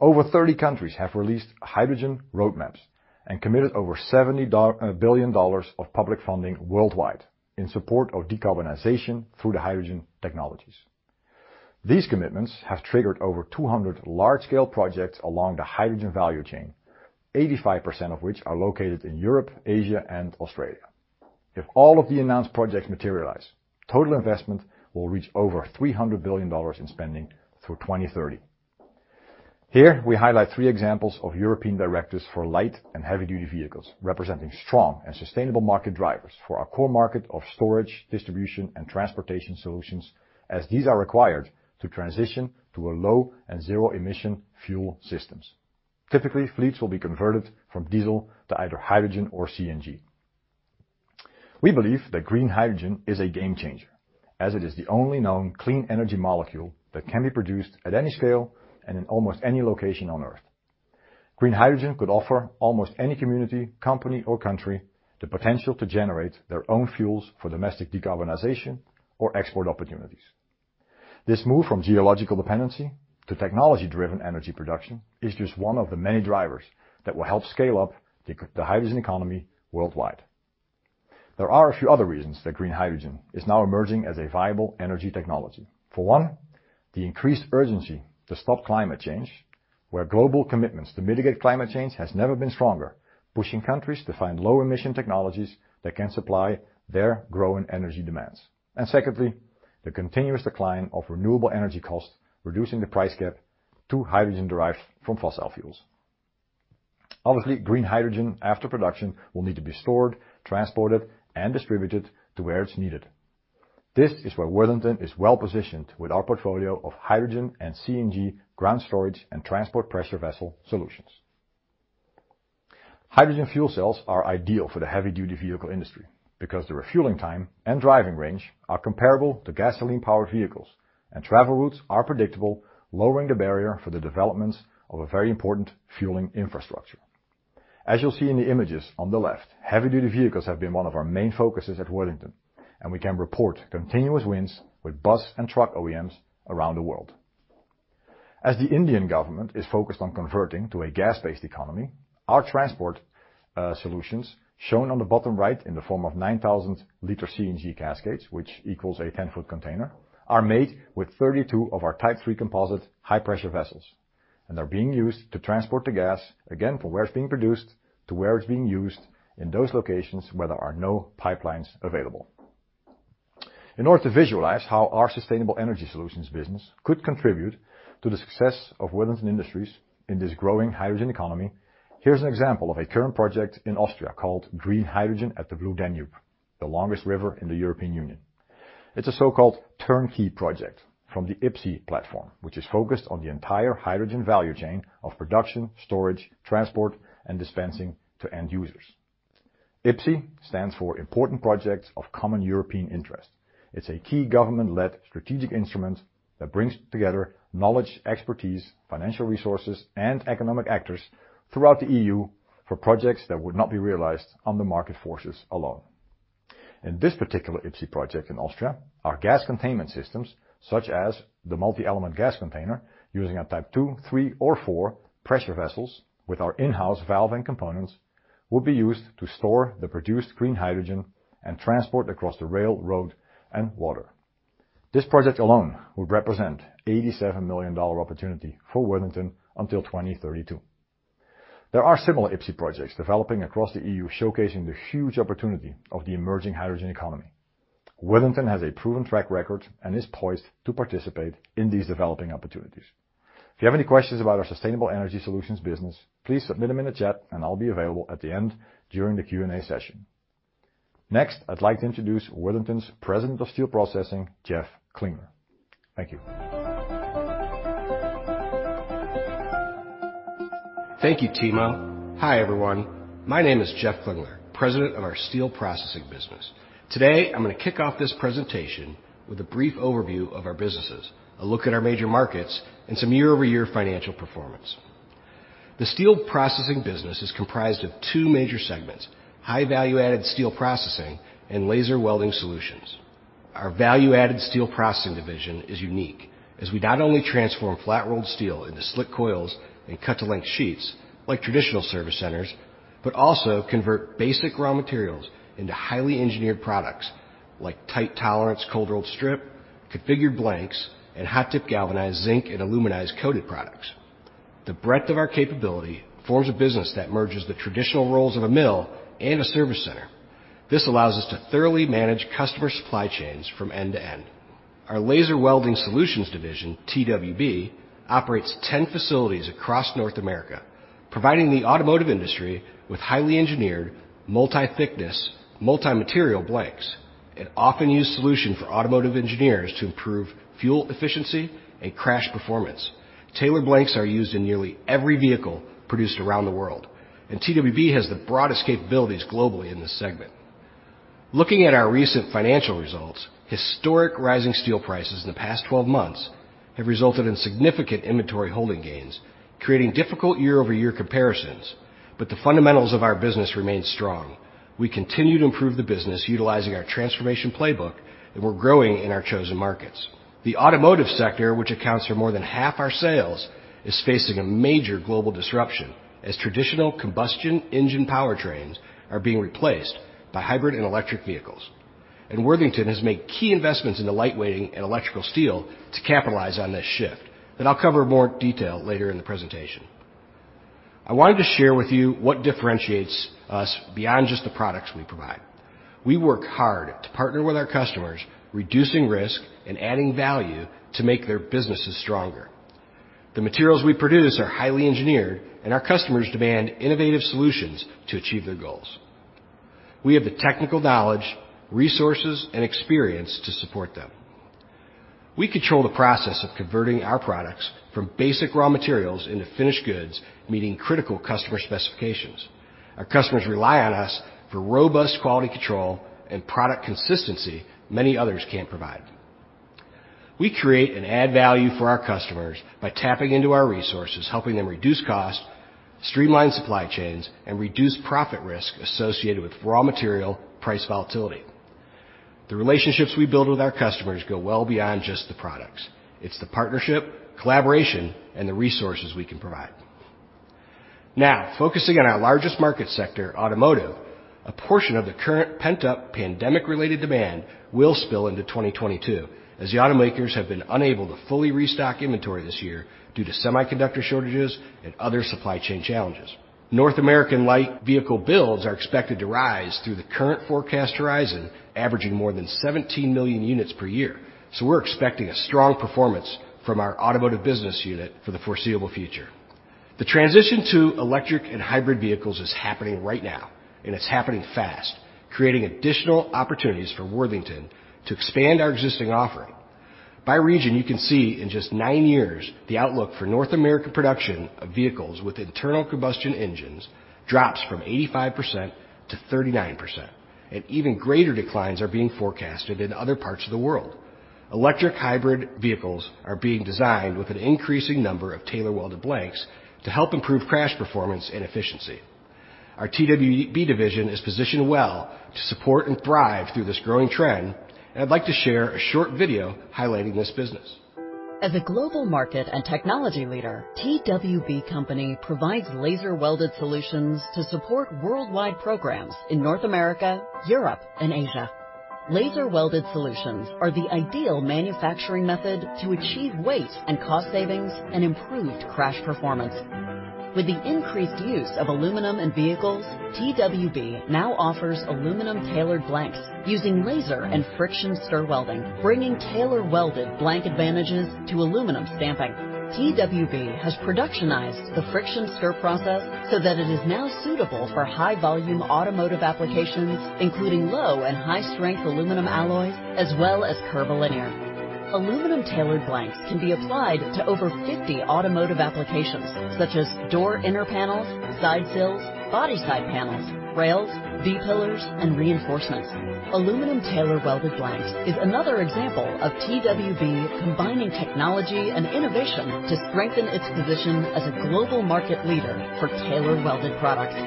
Over 30 countries have released hydrogen roadmaps and committed over $70 billion of public funding worldwide in support of decarbonization through the hydrogen technologies. These commitments have triggered over 200 large-scale projects along the hydrogen value chain, 85% of which are located in Europe, Asia, and Australia. If all of the announced projects materialize, total investment will reach over $300 billion in spending through 2030. Here, we highlight three examples of European directives for light and heavy-duty vehicles, representing strong and sustainable market drivers for our core market of storage, distribution, and transportation solutions as these are required to transition to a low and zero-emission fuel systems. Typically, fleets will be converted from diesel to either hydrogen or CNG. We believe that green hydrogen is a game-changer, as it is the only known clean energy molecule that can be produced at any scale and in almost any location on Earth. Green hydrogen could offer almost any community, company, or country the potential to generate their own fuels for domestic decarbonization or export opportunities. This move from geological dependency to technology-driven energy production is just one of the many drivers that will help scale up the hydrogen economy worldwide. There are a few other reasons that green hydrogen is now emerging as a viable energy technology. For one, the increased urgency to stop climate change, where global commitments to mitigate climate change has never been stronger, pushing countries to find low-emission technologies that can supply their growing energy demands. Secondly, the continuous decline of renewable energy costs, reducing the price gap to hydrogen derived from fossil fuels. Obviously, green hydrogen after production will need to be stored, transported, and distributed to where it's needed. This is where Worthington is well-positioned with our portfolio of hydrogen and CNG ground storage and transport pressure vessel solutions. Hydrogen fuel cells are ideal for the heavy-duty vehicle industry because the refueling time and driving range are comparable to gasoline-powered vehicles, and travel routes are predictable, lowering the barrier for the developments of a very important fueling infrastructure. As you'll see in the images on the left, heavy-duty vehicles have been one of our main focuses at Worthington, and we can report continuous wins with bus and truck OEMs around the world. As the Indian government is focused on converting to a gas-based economy, our transport solutions, shown on the bottom right in the form of 9,000-liter CNG cascades, which equals a 10-foot container, are made with 32 of our type 3 composite high-pressure vessels. They're being used to transport the gas, again, from where it's being produced to where it's being used in those locations where there are no pipelines available. In order to visualize how our sustainable energy solutions business could contribute to the success of Worthington Industries in this growing hydrogen economy, here's an example of a current project in Austria called Green Hydrogen at the Blue Danube, the longest river in the European Union. It's a so-called turnkey project from the IPCEI platform, which is focused on the entire hydrogen value chain of production, storage, transport, and dispensing to end users. IPCEI stands for Important Projects of Common European Interest. It's a key government-led strategic instrument that brings together knowledge, expertise, financial resources, and economic actors throughout the EU for projects that would not be realized on the market forces alone. In this particular IPCEI project in Austria, our gas containment systems, such as the multi-element gas container using a type two, three, or four pressure vessels with our in-house valving components, will be used to store the produced green hydrogen and transport across the rail, road, and water. This project alone would represent $87 million opportunity for Worthington until 2032. There are similar IPCEI projects developing across the EU, showcasing the huge opportunity of the emerging hydrogen economy. Worthington has a proven track record and is poised to participate in these developing opportunities. If you have any questions about our sustainable energy solutions business, please submit them in the chat, and I'll be available at the end during the Q&A session. Next, I'd like to introduce Worthington's President of Steel Processing, Jeff Klingler. Thank you. Thank you, Timo. Hi, everyone. My name is Jeff Klingler, President of our Steel Processing business. Today, I'm gonna kick off this presentation with a brief overview of our businesses, a look at our major markets, and some year-over-year financial performance. The Steel Processing business is comprised of two major segments: high value-added steel processing and laser welding solutions. Our value-added steel processing division is unique as we not only transform flat-rolled steel into slit coils and cut-to-length sheets like traditional service centers, but also convert basic raw materials into highly engineered products like tight tolerance, cold-rolled strip, configured blanks, and hot-dip galvanized zinc and aluminized coated products. The breadth of our capability forms a business that merges the traditional roles of a mill and a service center. This allows us to thoroughly manage customer supply chains from end to end. Our laser welding solutions division, TWB, operates 10 facilities across North America, providing the automotive industry with highly engineered multi-thickness, multi-material blanks, an often-used solution for automotive engineers to improve fuel efficiency and crash performance. Tailored blanks are used in nearly every vehicle produced around the world, and TWB has the broadest capabilities globally in this segment. Looking at our recent financial results, historic rising steel prices in the past 12 months have resulted in significant inventory holding gains, creating difficult year-over-year comparisons, but the fundamentals of our business remain strong. We continue to improve the business utilizing our transformation playbook, and we're growing in our chosen markets. The automotive sector, which accounts for more than half our sales, is facing a major global disruption as traditional combustion engine powertrains are being replaced by hybrid and electric vehicles. Worthington has made key investments in the lightweighting and electrical steel to capitalize on this shift that I'll cover in more detail later in the presentation. I wanted to share with you what differentiates us beyond just the products we provide. We work hard to partner with our customers, reducing risk and adding value to make their businesses stronger. The materials we produce are highly engineered, and our customers demand innovative solutions to achieve their goals. We have the technical knowledge, resources, and experience to support them. We control the process of converting our products from basic raw materials into finished goods, meeting critical customer specifications. Our customers rely on us for robust quality control and product consistency many others can't provide. We create and add value for our customers by tapping into our resources, helping them reduce costs, streamline supply chains, and reduce profit risk associated with raw material price volatility. The relationships we build with our customers go well beyond just the products. It's the partnership, collaboration, and the resources we can provide. Now, focusing on our largest market sector, automotive, a portion of the current pent-up pandemic-related demand will spill into 2022, as the automakers have been unable to fully restock inventory this year due to semiconductor shortages and other supply chain challenges. North American light vehicle builds are expected to rise through the current forecast horizon, averaging more than 17 million units per year. We're expecting a strong performance from our automotive business unit for the foreseeable future. The transition to electric and hybrid vehicles is happening right now, and it's happening fast, creating additional opportunities for Worthington to expand our existing offering. By region, you can see in just nine years, the outlook for North American production of vehicles with internal combustion engines drops from 85% to 39%, and even greater declines are being forecasted in other parts of the world. Electric hybrid vehicles are being designed with an increasing number of tailor welded blanks to help improve crash performance and efficiency. Our TWB division is positioned well to support and thrive through this growing trend, and I'd like to share a short video highlighting this business. As a global market and technology leader, TWB Company provides laser-welded solutions to support worldwide programs in North America, Europe, and Asia. Laser-welded solutions are the ideal manufacturing method to achieve weight and cost savings and improved crash performance. With the increased use of aluminum in vehicles, TWB now offers aluminum tailored blanks using laser and friction stir welding, bringing tailor welded blank advantages to aluminum stamping. TWB has productionized the friction stir process so that it is now suitable for high-volume automotive applications, including low and high strength aluminum alloys, as well as curvilinear. Aluminum tailored blanks can be applied to over 50 automotive applications such as door inner panels, side sills, body side panels, rails, B pillars, and reinforcements. Aluminum tailor welded blanks is another example of TWB combining technology and innovation to strengthen its position as a global market leader for tailor welded products.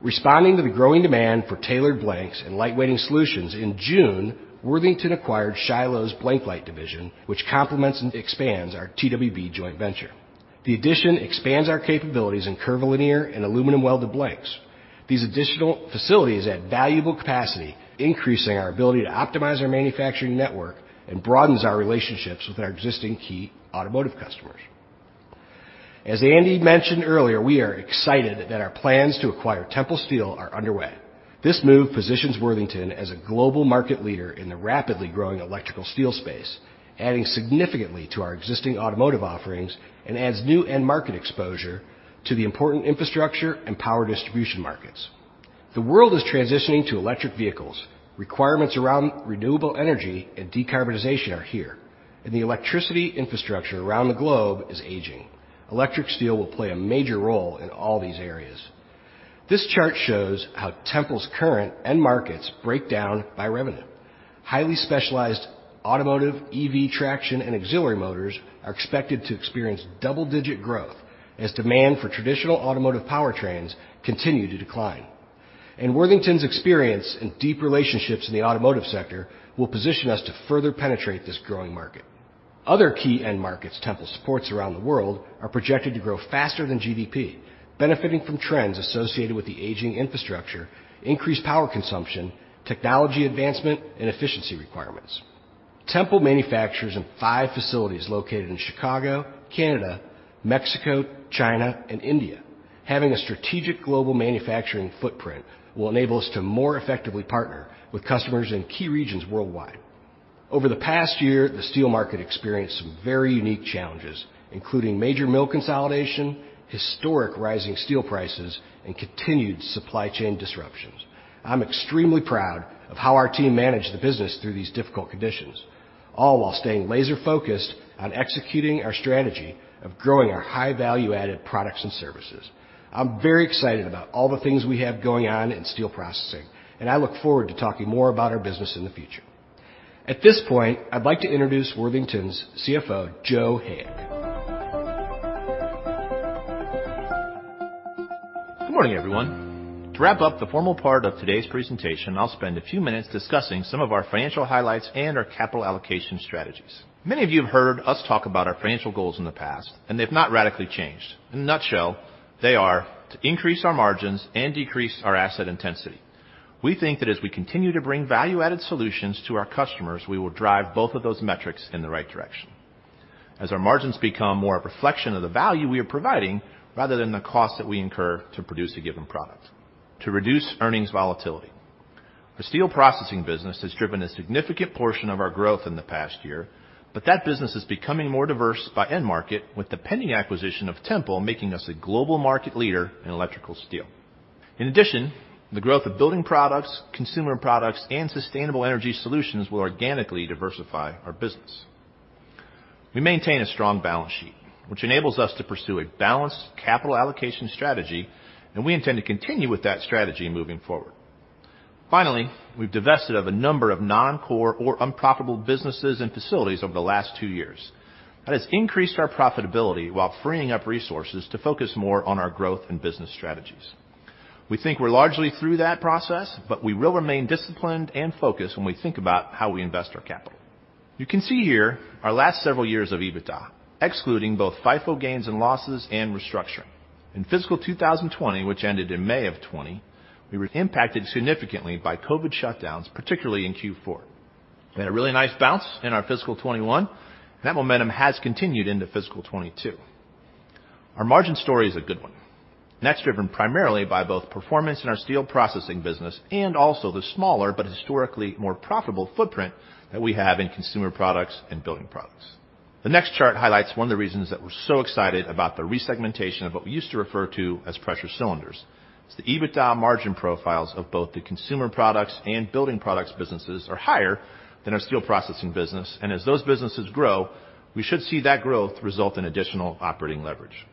Responding to the growing demand for tailored blanks and lightweighting solutions in June, Worthington acquired Shiloh's BlankLight division, which complements and expands our TWB joint venture. The addition expands our capabilities in curvilinear and aluminum welded blanks. These additional facilities add valuable capacity, increasing our ability to optimize our manufacturing network and broadens our relationships with our existing key automotive customers. As Andy mentioned earlier, we are excited that our plans to acquire Tempel Steel are underway. This move positions Worthington as a global market leader in the rapidly growing electrical steel space, adding significantly to our existing automotive offerings and adds new end market exposure to the important infrastructure and power distribution markets. The world is transitioning to electric vehicles. Requirements around renewable energy and decarbonization are here, and the electricity infrastructure around the globe is aging. Electrical steel will play a major role in all these areas. This chart shows how Tempel's current end markets break down by revenue. Highly specialized automotive EV traction and auxiliary motors are expected to experience double-digit growth as demand for traditional automotive powertrains continue to decline. Worthington's experience and deep relationships in the automotive sector will position us to further penetrate this growing market. Other key end markets Tempel supports around the world are projected to grow faster than GDP, benefiting from trends associated with the aging infrastructure, increased power consumption, technology advancement, and efficiency requirements. Tempel manufactures in five facilities located in Chicago, Canada, Mexico, China, and India. Having a strategic global manufacturing footprint will enable us to more effectively partner with customers in key regions worldwide. Over the past year, the steel market experienced some very unique challenges, including major mill consolidation, historic rising steel prices, and continued supply chain disruptions. I'm extremely proud of how our team managed the business through these difficult conditions, all while staying laser-focused on executing our strategy of growing our high value-added products and services. I'm very excited about all the things we have going on in steel processing, and I look forward to talking more about our business in the future. At this point, I'd like to introduce Worthington's CFO, Joe Hayek. Good morning, everyone. To wrap up the formal part of today's presentation, I'll spend a few minutes discussing some of our financial highlights and our capital allocation strategies. Many of you have heard us talk about our financial goals in the past, and they've not radically changed. In a nutshell, they are to increase our margins and decrease our asset intensity. We think that as we continue to bring value-added solutions to our customers, we will drive both of those metrics in the right direction. As our margins become more a reflection of the value we are providing rather than the cost that we incur to produce a given product, to reduce earnings volatility. The steel processing business has driven a significant portion of our growth in the past year, but that business is becoming more diverse by end market, with the pending acquisition of Tempel making us a global market leader in electrical steel. In addition, the growth of building products, consumer products, and sustainable energy solutions will organically diversify our business. We maintain a strong balance sheet, which enables us to pursue a balanced capital allocation strategy, and we intend to continue with that strategy moving forward. Finally, we've divested of a number of non-core or unprofitable businesses and facilities over the last two years. That has increased our profitability while freeing up resources to focus more on our growth and business strategies. We think we're largely through that process, but we will remain disciplined and focused when we think about how we invest our capital. You can see here our last several years of EBITDA, excluding both FIFO gains and losses and restructuring. In fiscal 2020, which ended in May of 2020, we were impacted significantly by COVID shutdowns, particularly in Q4. We had a really nice bounce in our fiscal 2021. That momentum has continued into fiscal 2022. Our margin story is a good one, and that's driven primarily by both performance in our Steel Processing business and also the smaller but historically more profitable footprint that we have in Consumer Products and Building Products. The next chart highlights one of the reasons that we're so excited about the resegmentation of what we used to refer to as Pressure Cylinders. It's the EBITDA margin profiles of both the Consumer Products and Building Products businesses are higher than our Steel Processing business. As those businesses grow, we should see that growth result in additional operating leverage.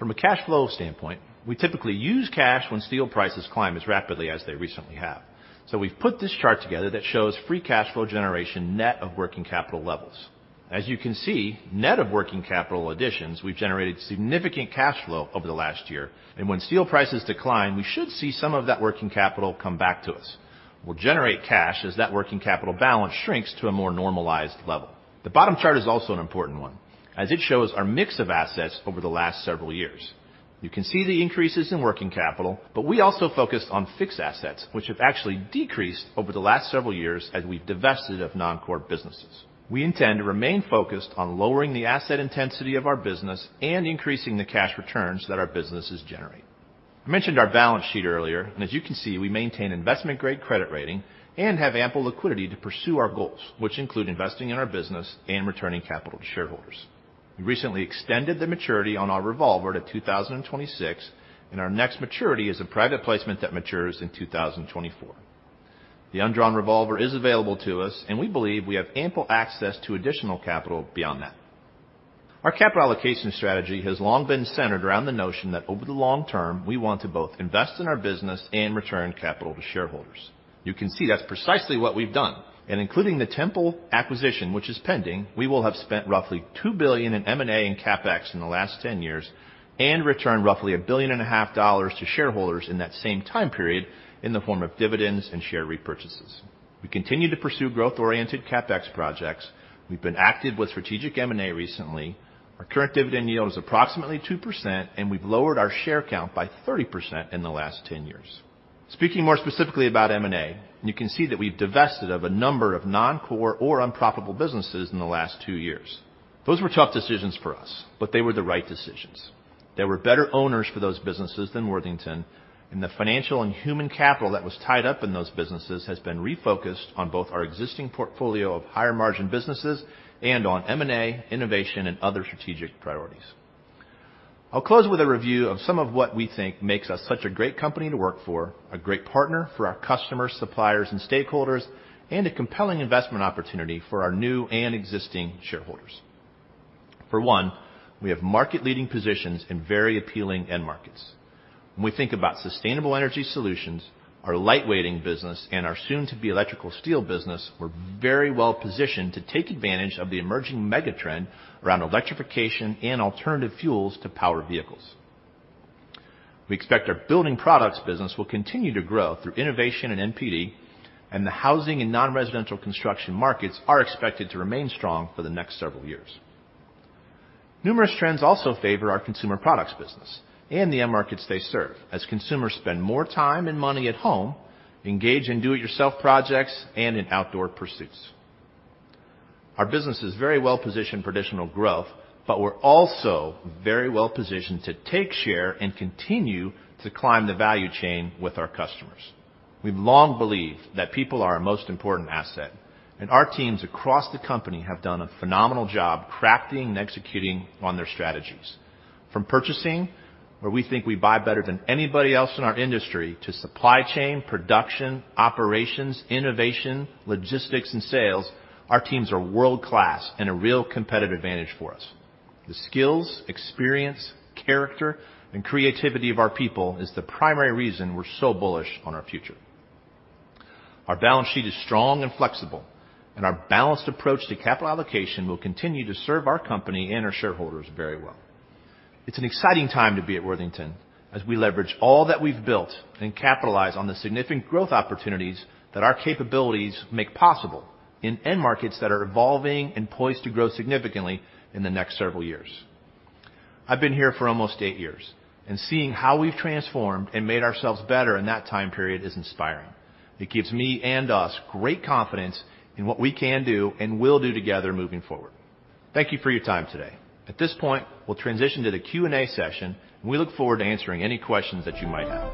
From a cash flow standpoint, we typically use cash when steel prices climb as rapidly as they recently have. We've put this chart together that shows free cash flow generation net of working capital levels. As you can see, net of working capital additions, we've generated significant cash flow over the last year, and when steel prices decline, we should see some of that working capital come back to us. We'll generate cash as that working capital balance shrinks to a more normalized level. The bottom chart is also an important one as it shows our mix of assets over the last several years. You can see the increases in working capital, but we also focused on fixed assets, which have actually decreased over the last several years as we've divested of non-core businesses. We intend to remain focused on lowering the asset intensity of our business and increasing the cash returns that our businesses generate. I mentioned our balance sheet earlier, and as you can see, we maintain investment-grade credit rating and have ample liquidity to pursue our goals, which include investing in our business and returning capital to shareholders. We recently extended the maturity on our revolver to 2026, and our next maturity is a private placement that matures in 2024. The undrawn revolver is available to us, and we believe we have ample access to additional capital beyond that. Our capital allocation strategy has long been centered around the notion that over the long term, we want to both invest in our business and return capital to shareholders. You can see that's precisely what we've done. Including the Tempel acquisition, which is pending, we will have spent roughly $2 billion in M&A and CapEx in the last 10 years and returned roughly $1.5 billion to shareholders in that same time period in the form of dividends and share repurchases. We continue to pursue growth-oriented CapEx projects. We've been active with strategic M&A recently. Our current dividend yield is approximately 2%, and we've lowered our share count by 30% in the last 10 years. Speaking more specifically about M&A, you can see that we've divested of a number of non-core or unprofitable businesses in the last 2 years. Those were tough decisions for us, but they were the right decisions. There were better owners for those businesses than Worthington, and the financial and human capital that was tied up in those businesses has been refocused on both our existing portfolio of higher-margin businesses and on M&A, innovation, and other strategic priorities. I'll close with a review of some of what we think makes us such a great company to work for, a great partner for our customers, suppliers, and stakeholders, and a compelling investment opportunity for our new and existing shareholders. For one, we have market-leading positions in very appealing end markets. When we think about sustainable energy solutions, our light-weighting business and our soon-to-be electrical steel business, we're very well positioned to take advantage of the emerging mega-trend around electrification and alternative fuels to power vehicles. We expect our building products business will continue to grow through innovation and NPD, and the housing and non-residential construction markets are expected to remain strong for the next several years. Numerous trends also favor our consumer products business and the end markets they serve as consumers spend more time and money at home, engage in do-it-yourself projects, and in outdoor pursuits. Our business is very well positioned for additional growth, but we're also very well positioned to take share and continue to climb the value chain with our customers. We've long believed that people are our most important asset, and our teams across the company have done a phenomenal job crafting and executing on their strategies. From purchasing, where we think we buy better than anybody else in our industry to supply chain production, operations, innovation, logistics, and sales, our teams are world-class and a real competitive advantage for us. The skills, experience, character, and creativity of our people is the primary reason we're so bullish on our future. Our balance sheet is strong and flexible, and our balanced approach to capital allocation will continue to serve our company and our shareholders very well. It's an exciting time to be at Worthington as we leverage all that we've built and capitalize on the significant growth opportunities that our capabilities make possible in end markets that are evolving and poised to grow significantly in the next several years. I've been here for almost eight years, and seeing how we've transformed and made ourselves better in that time period is inspiring. It gives me and us great confidence in what we can do and will do together moving forward. Thank you for your time today. At this point, we'll transition to the Q&A session, and we look forward to answering any questions that you might have.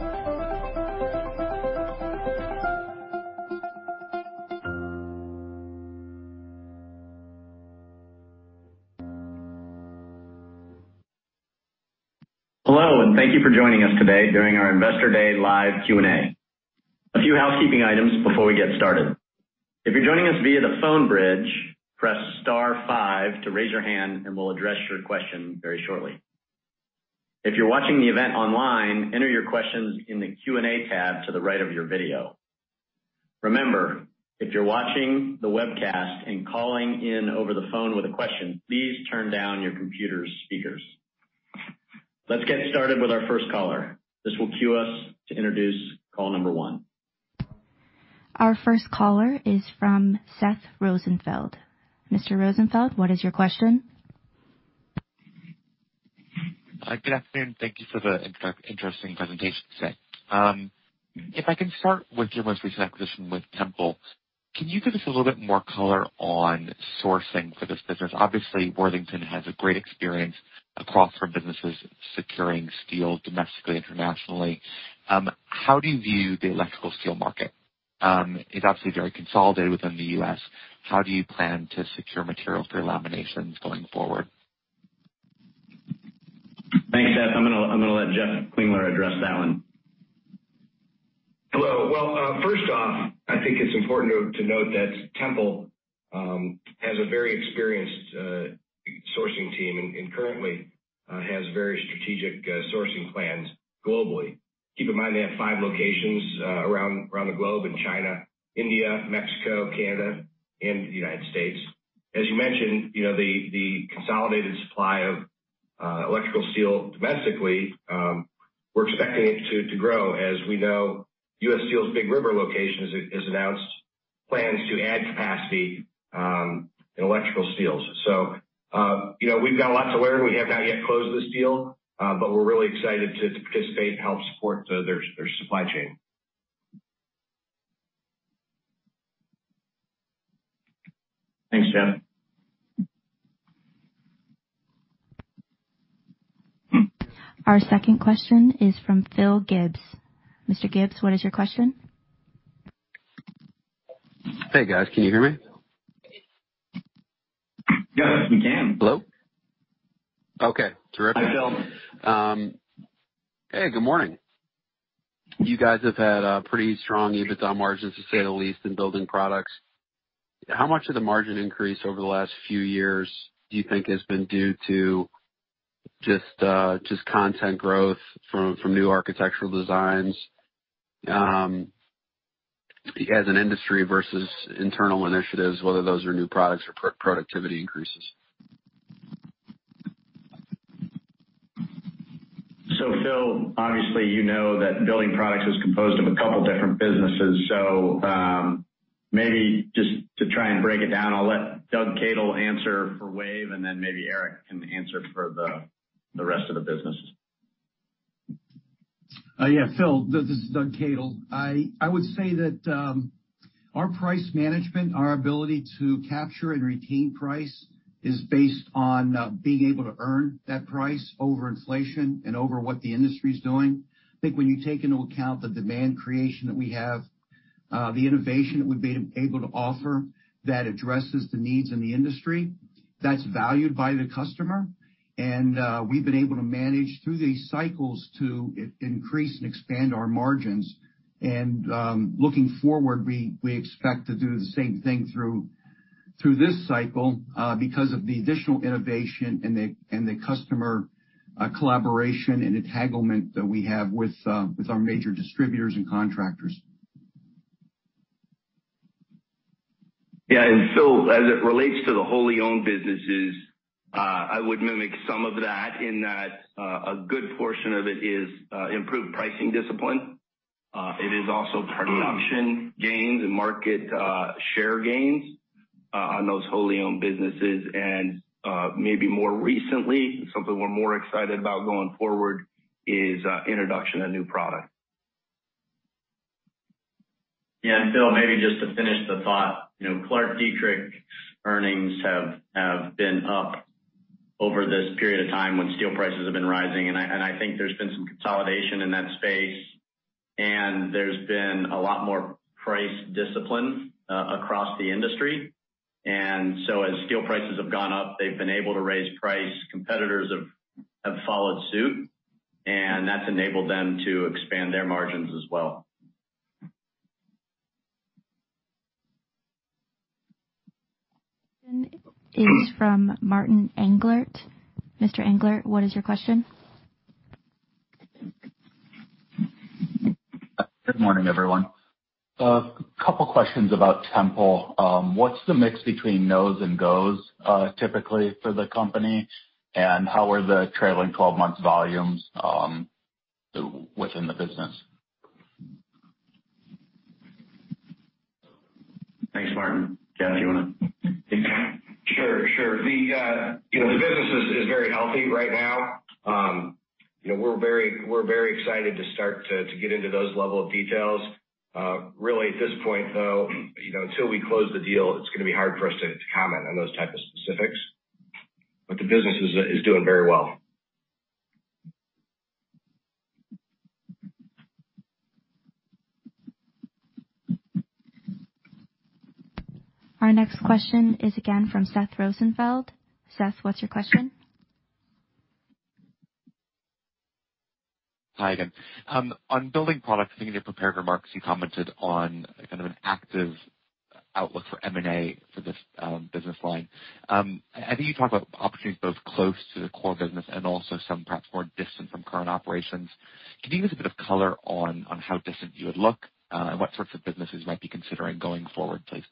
Hello, and thank you for joining us today during our Investor Day live Q&A. A few housekeeping items before we get started. If you're joining us via the phone bridge, press star five to raise your hand, and we'll address your question very shortly. If you're watching the event online, enter your questions in the Q&A tab to the right of your video. Remember, if you're watching the webcast and calling in over the phone with a question, please turn down your computer's speakers. Let's get started with our first caller. This will queue us to introduce caller number one. Our first caller is from Seth Rosenfeld. Mr. Rosenfeld, what is your question? Hi. Good afternoon. Thank you for the interesting presentation today. If I can start with your most recent acquisition with Tempel. Can you give us a little bit more color on sourcing for this business? Obviously, Worthington has a great experience across from businesses securing steel domestically, internationally. How do you view the electrical steel market? It's obviously very consolidated within the U.S. How do you plan to secure material for laminations going forward? Thanks, Seth. I'm gonna let Jeff Klingler address that one. Hello. Well, first off, I think it's important to note that Tempel has a very experienced sourcing team and currently has very strategic sourcing plans globally. Keep in mind they have five locations around the globe in China, India, Mexico, Canada, and the United States. As you mentioned, you know, the consolidated supply of electrical steel domestically, we're expecting it to grow. As we know, U.S. Steel's Big River location has announced plans to add capacity in electrical steels. You know, we've got lots to learn. We have not yet closed this deal, but we're really excited to participate and help support their supply chain. Thanks, Jeff. Our second question is from Phil Gibbs. Mr. Gibbs, what is your question? Hey, guys. Can you hear me? Yes, we can. Hello. Okay. Terrific. Hi, Phil. Hey, good morning. You guys have had pretty strong EBITDA margins, to say the least, in building products. How much of the margin increase over the last few years do you think has been due to just content growth from new architectural designs as an industry versus internal initiatives, whether those are new products or productivity increases? Phil, obviously, you know that Building Products is composed of a couple different businesses. Maybe just to try and break it down, I'll let Doug Cadle answer for Wave, and then maybe Eric can answer for the rest of the business. Yeah. Phil, this is Doug Cadle. I would say that our price management, our ability to capture and retain price is based on being able to earn that price over inflation and over what the industry's doing. I think when you take into account the demand creation that we have, the innovation that we've been able to offer that addresses the needs in the industry, that's valued by the customer. We've been able to manage through these cycles to increase and expand our margins. Looking forward, we expect to do the same thing through this cycle because of the additional innovation and the customer collaboration and entanglement that we have with our major distributors and contractors. Yeah. As it relates to the wholly owned businesses, I would mimic some of that in that, a good portion of it is, improved pricing discipline. It is also production gains and market, share gains, on those wholly owned businesses. Maybe more recently, something we're more excited about going forward is, introduction of new product. Yeah. Phil, maybe just to finish the thought, you know, ClarkDietrich earnings have been up over this period of time when steel prices have been rising, and I think there's been some consolidation in that space, and there's been a lot more price discipline across the industry. As steel prices have gone up, they've been able to raise price. Competitors have followed suit, and that's enabled them to expand their margins as well. Is from Martin Englert. Mr. Englert, what is your question? Good morning, everyone. A couple questions about Tempel. What's the mix between NOS and GOS, typically for the company? And how are the trailing 12 months volumes within the business? Thanks, Martin. Jeff, do you wanna take that? Sure. You know, the business is very healthy right now. You know, we're very excited to start to get into that level of detail. Really at this point, though, you know, until we close the deal, it's gonna be hard for us to comment on that type of specifics. The business is doing very well. Our next question is again from Seth Rosenfeld. Seth, what's your question? Hi again. On Building Products, I think in your prepared remarks you commented on kind of an active outlook for M&A for this business line. I think you talked about opportunities both close to the core business and also some perhaps more distant from current operations. Can you give us a bit of color on how distant you would look and what sorts of businesses you might be considering going forward, please?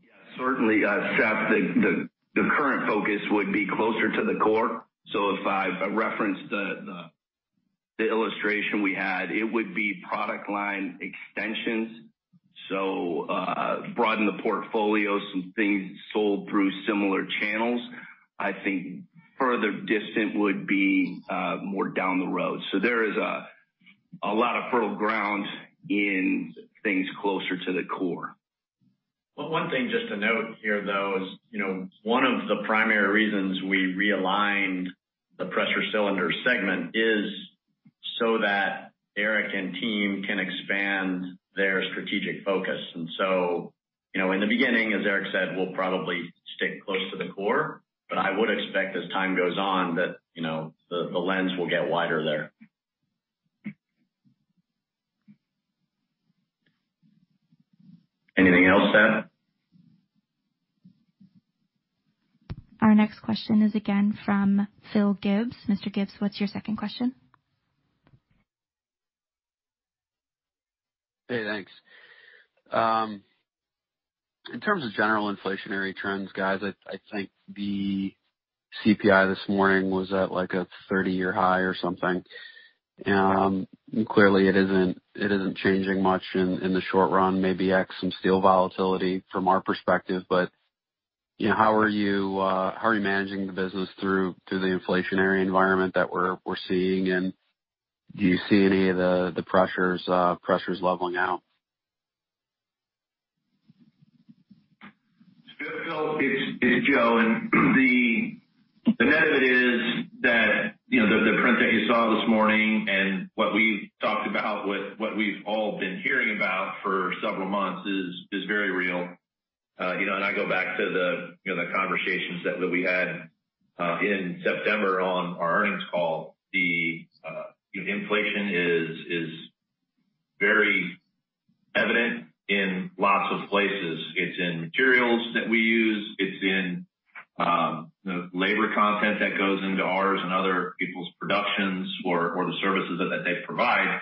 Yeah. Certainly, Seth, the current focus would be closer to the core. If I reference the illustration we had, it would be product line extensions, so broaden the portfolio, some things sold through similar channels. I think further distant would be more down the road. There is a lot of fertile ground in things closer to the core. Well, one thing just to note here, though, is, you know, one of the primary reasons we realigned the Pressure Cylinders segment is so that Eric and team can expand their strategic focus. You know, in the beginning, as Eric said, we'll probably stick close to the core. I would expect as time goes on, that, you know, the lens will get wider there. Anything else, Dan? Our next question is again from Phil Gibbs. Mr. Gibbs, what's your second question? Hey, thanks. In terms of general inflationary trends, guys, I think the CPI this morning was at, like, a thirty-year high or something. Clearly it isn't changing much in the short run, maybe ex some steel volatility from our perspective. You know, how are you managing the business through the inflationary environment that we're seeing? And do you see any of the pressures leveling out? Phil, it's Joe. The net of it is that, you know, the print that you saw this morning and what we talked about with what we've all been hearing about for several months is very real. You know, I go back to the conversations that we had in September on our earnings call. You know, inflation is very evident in lots of places. It's in materials that we use. It's in the labor content that goes into ours and other people's productions or the services that they provide.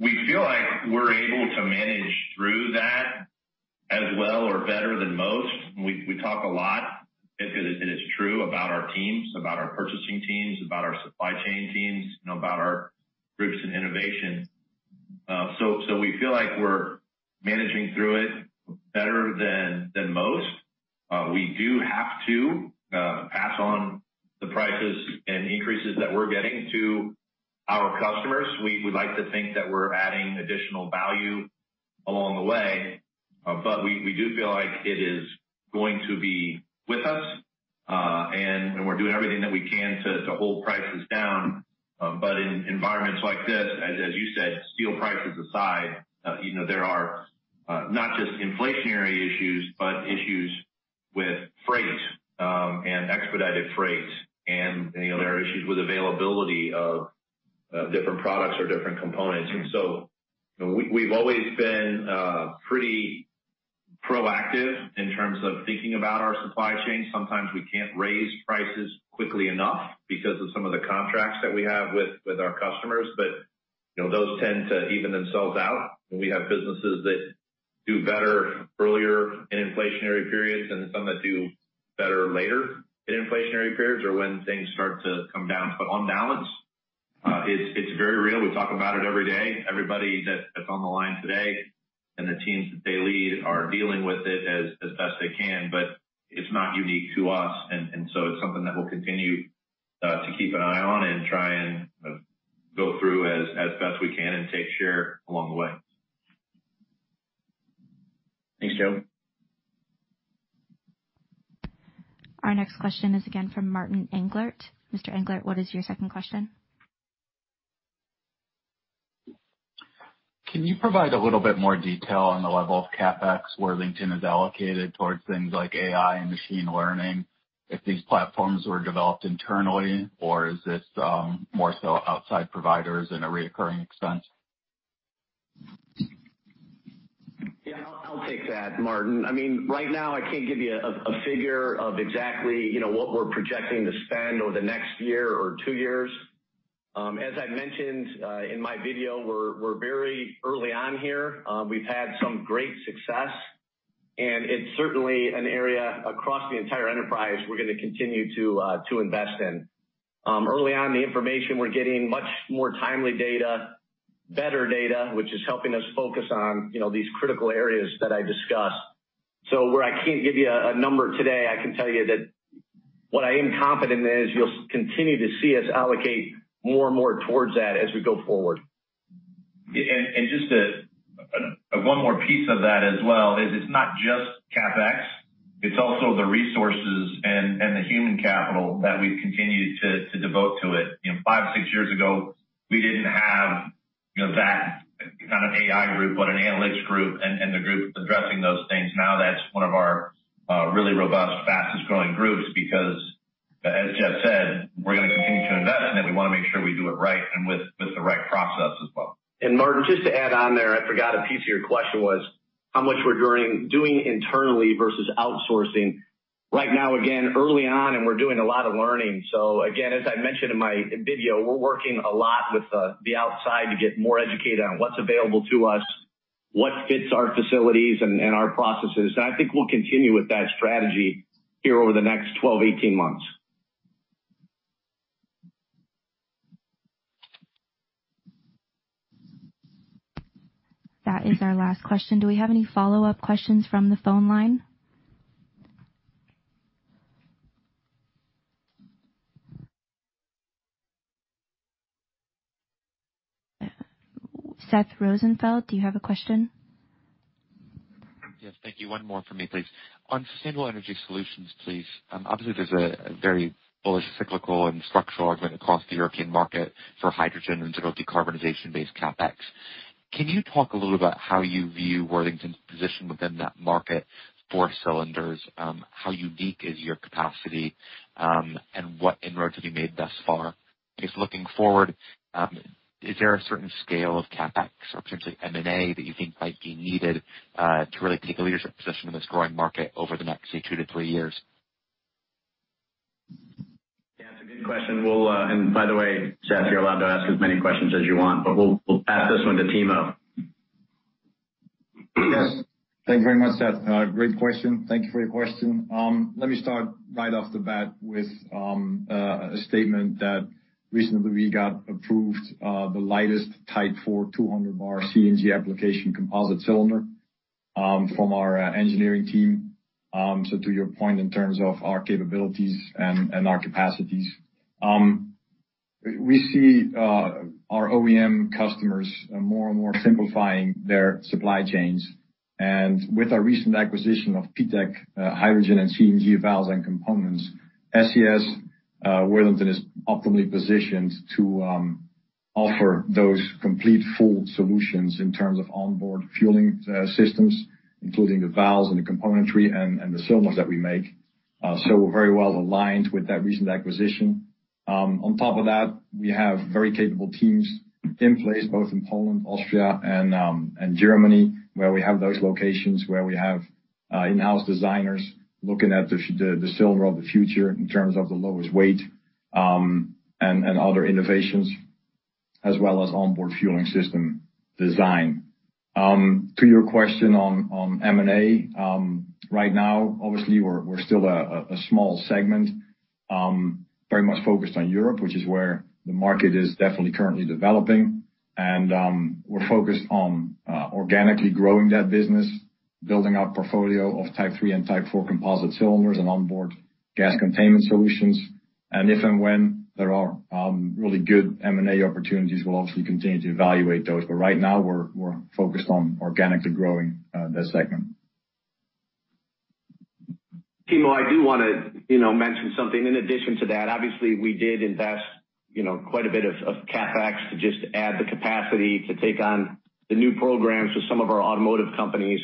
We feel like we're able to manage through that as well or better than most. We talk a lot, if it's true, about our teams, about our purchasing teams, about our supply chain teams, you know, about our groups in innovation. We feel like we're managing through it better than most. We do have to pass on the prices and increases that we're getting to our customers. We like to think that we're adding additional value along the way. We do feel like it is going to be with us. We're doing everything that we can to hold prices down. In environments like this, as you said, steel prices aside, you know, there are not just inflationary issues, but issues with freight, and expedited freight and, you know, there are issues with availability of different products or different components. We've always been pretty proactive in terms of thinking about our supply chain. Sometimes we can't raise prices quickly enough because of some of the contracts that we have with our customers. You know, those tend to even themselves out. We have businesses that do better earlier in inflationary periods and some that do better later in inflationary periods or when things start to come down. On balance, it's very real. We talk about it every day. Everybody that is on the line today and the teams that they lead are dealing with it as best they can, but it's not unique to us. It's something that we'll continue to keep an eye on and try and go through as best we can and take share along the way. Thanks, Joe. Our next question is again from Martin Englert. Mr. Englert, what is your second question? Can you provide a little bit more detail on the level of CapEx Worthington has allocated towards things like AI and machine learning, if these platforms were developed internally, or is this more so outside providers and a recurring expense? Yeah, I'll take that, Martin. I mean, right now I can't give you a figure of exactly, you know, what we're projecting to spend over the next year or two years. As I mentioned in my video, we're very early on here. We've had some great success, and it's certainly an area across the entire enterprise we're gonna continue to invest in. Early on the information, we're getting much more timely data, better data, which is helping us focus on, you know, these critical areas that I discussed. Where I can't give you a number today, I can tell you that what I am confident in is you'll continue to see us allocate more and more towards that as we go forward. Yeah. Just one more piece of that as well is it's not just CapEx, it's also the resources and the human capital that we've continued to devote to it. You know, 5, 6 years ago, we didn't have, you know, that kind of AI group, but an analytics group and the group addressing those things. Now that's one of our really robust, fastest-growing groups because as Jeff said, we're gonna continue to invest, and then we wanna make sure we do it right and with the right process as well. Martin, just to add on there, I forgot a piece of your question was how much we're doing internally versus outsourcing. Right now, again, early on and we're doing a lot of learning. Again, as I mentioned in my video, we're working a lot with the outside to get more educated on what's available to us, what fits our facilities and our processes. I think we'll continue with that strategy here over the next 12-18 months. That is our last question. Do we have any follow-up questions from the phone line? Seth Rosenfeld, do you have a question? Yes. Thank you. One more from me, please. On sustainable energy solutions, please. Obviously, there's a very bullish cyclical and structural argument across the European market for hydrogen in terms of decarbonization-based CapEx. Can you talk a little about how you view Worthington's position within that market for cylinders? How unique is your capacity, and what inroads have you made thus far? I guess looking forward, is there a certain scale of CapEx or potentially M&A that you think might be needed to really take a leadership position in this growing market over the next two to three years? Yeah, it's a good question. By the way, Seth, you're allowed to ask as many questions as you want, but we'll pass this one to Timo. Yes. Thank you very much, Seth. Great question. Thank you for your question. Let me start right off the bat with a statement that recently we got approved the lightest Type 4 200 bar CNG application composite cylinder from our engineering team. To your point in terms of our capabilities and our capacities, we see our OEM customers more and more simplifying their supply chains. With our recent acquisition of PTEC, hydrogen and CNG valves and components, SCI, Worthington is optimally positioned to offer those complete full solutions in terms of onboard fueling systems, including the valves and the componentry and the cylinders that we make. We're very well aligned with that recent acquisition. On top of that, we have very capable teams in place, both in Poland, Austria, and Germany, where we have those locations, where we have in-house designers looking at the cylinder of the future in terms of the lowest weight, and other innovations, as well as onboard fueling system design. To your question on M&A, right now, obviously we're still a small segment, very much focused on Europe, which is where the market is definitely currently developing. We're focused on organically growing that business, building our portfolio of Type 3 and Type 4 composite cylinders and onboard gas containment solutions. If and when there are really good M&A opportunities, we'll obviously continue to evaluate those. Right now we're focused on organically growing that segment. Timo, I do wanna, you know, mention something in addition to that. Obviously, we did invest, you know, quite a bit of CapEx to just add the capacity to take on the new programs with some of our automotive companies.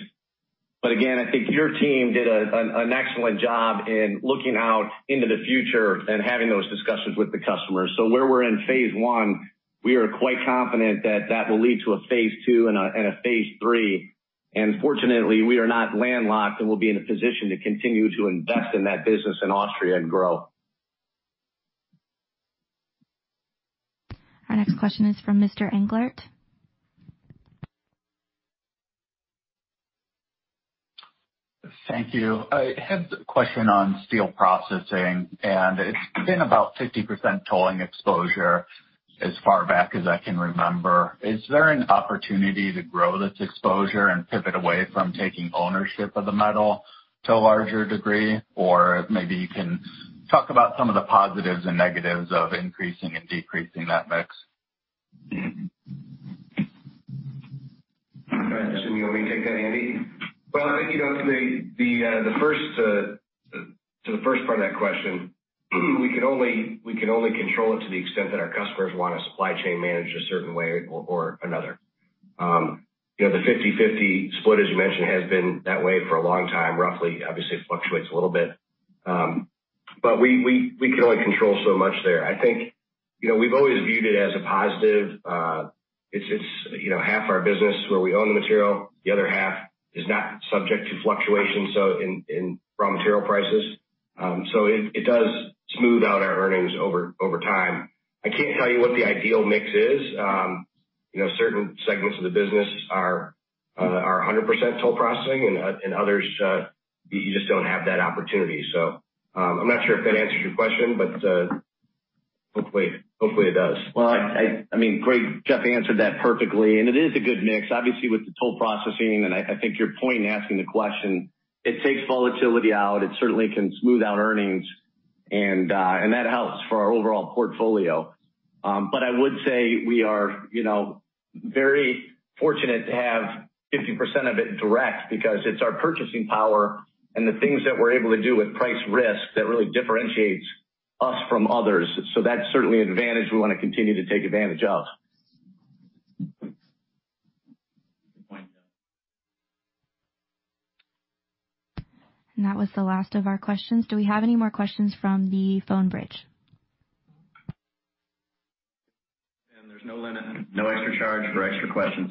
Again, I think your team did an excellent job in looking out into the future and having those discussions with the customers. Where we're in phase one, we are quite confident that that will lead to a phase two and a phase three. Fortunately, we are not landlocked, and we'll be in a position to continue to invest in that business in Austria and grow. Our next question is from Mr. Englert. Thank you. I had a question on Steel Processing, and it's been about 50% tolling exposure as far back as I can remember. Is there an opportunity to grow this exposure and pivot away from taking ownership of the metal to a larger degree? Or maybe you can talk about some of the positives and negatives of increasing and decreasing that mix. I assume you want me to take that, Andy? Well, I think, you know, to the first part of that question, we can only control it to the extent that our customers wanna supply chain manage a certain way or another. You know, the 50/50 split, as you mentioned, has been that way for a long time, roughly. Obviously, it fluctuates a little bit. We can only control so much there. I think, you know, we've always viewed it as a positive. It's, you know, half our business where we own the material, the other half is not subject to fluctuation, so in raw material prices. It does smooth out our earnings over time. I can't tell you what the ideal mix is. Certain segments of the business are 100% toll processing and others you just don't have that opportunity. I'm not sure if that answers your question, but hopefully it does. Well, I mean, great. Jeff answered that perfectly. It is a good mix, obviously, with the toll processing, and I think your point in asking the question, it takes volatility out. It certainly can smooth out earnings and that helps for our overall portfolio. But I would say we are, you know, very fortunate to have 50% of it direct because it's our purchasing power and the things that we're able to do with price risk that really differentiates us from others. That's certainly an advantage we wanna continue to take advantage of. Good point. That was the last of our questions. Do we have any more questions from the phone bridge? There's no limit. No extra charge for extra questions.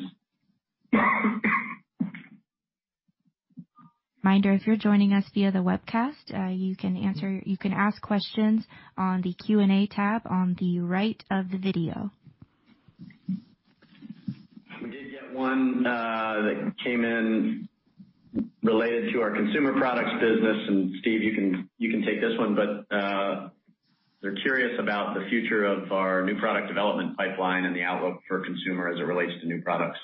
Reminder, if you're joining us via the webcast, you can ask questions on the Q&A tab on the right of the video. We did get one, that came in. Related to our consumer products business, and Steve, you can take this one, but they're curious about the future of our new product development pipeline and the outlook for consumer as it relates to new products.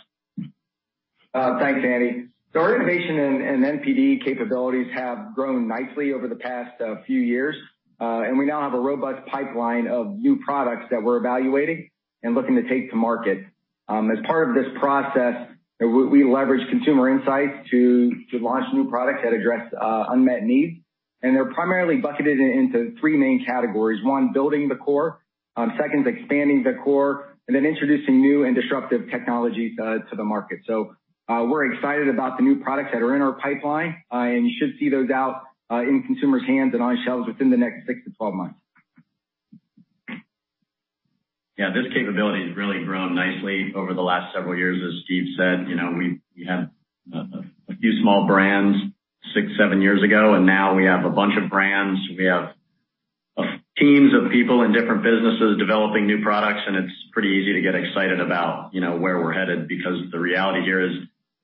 Thanks, Andy. Our innovation and NPD capabilities have grown nicely over the past few years. We now have a robust pipeline of new products that we're evaluating and looking to take to market. As part of this process, we leverage consumer insights to launch new products that address unmet needs. They're primarily bucketed into three main categories. One, building the core. Second, expanding the core, and then introducing new and disruptive technologies to the market. We're excited about the new products that are in our pipeline. You should see those out in consumers' hands and on shelves within the next 6 to 12 months. This capability has really grown nicely over the last several years, as Steve said. You know, we had a few small brands 6, 7 years ago, and now we have a bunch of brands. We have teams of people in different businesses developing new products, and it's pretty easy to get excited about, you know, where we're headed because the reality here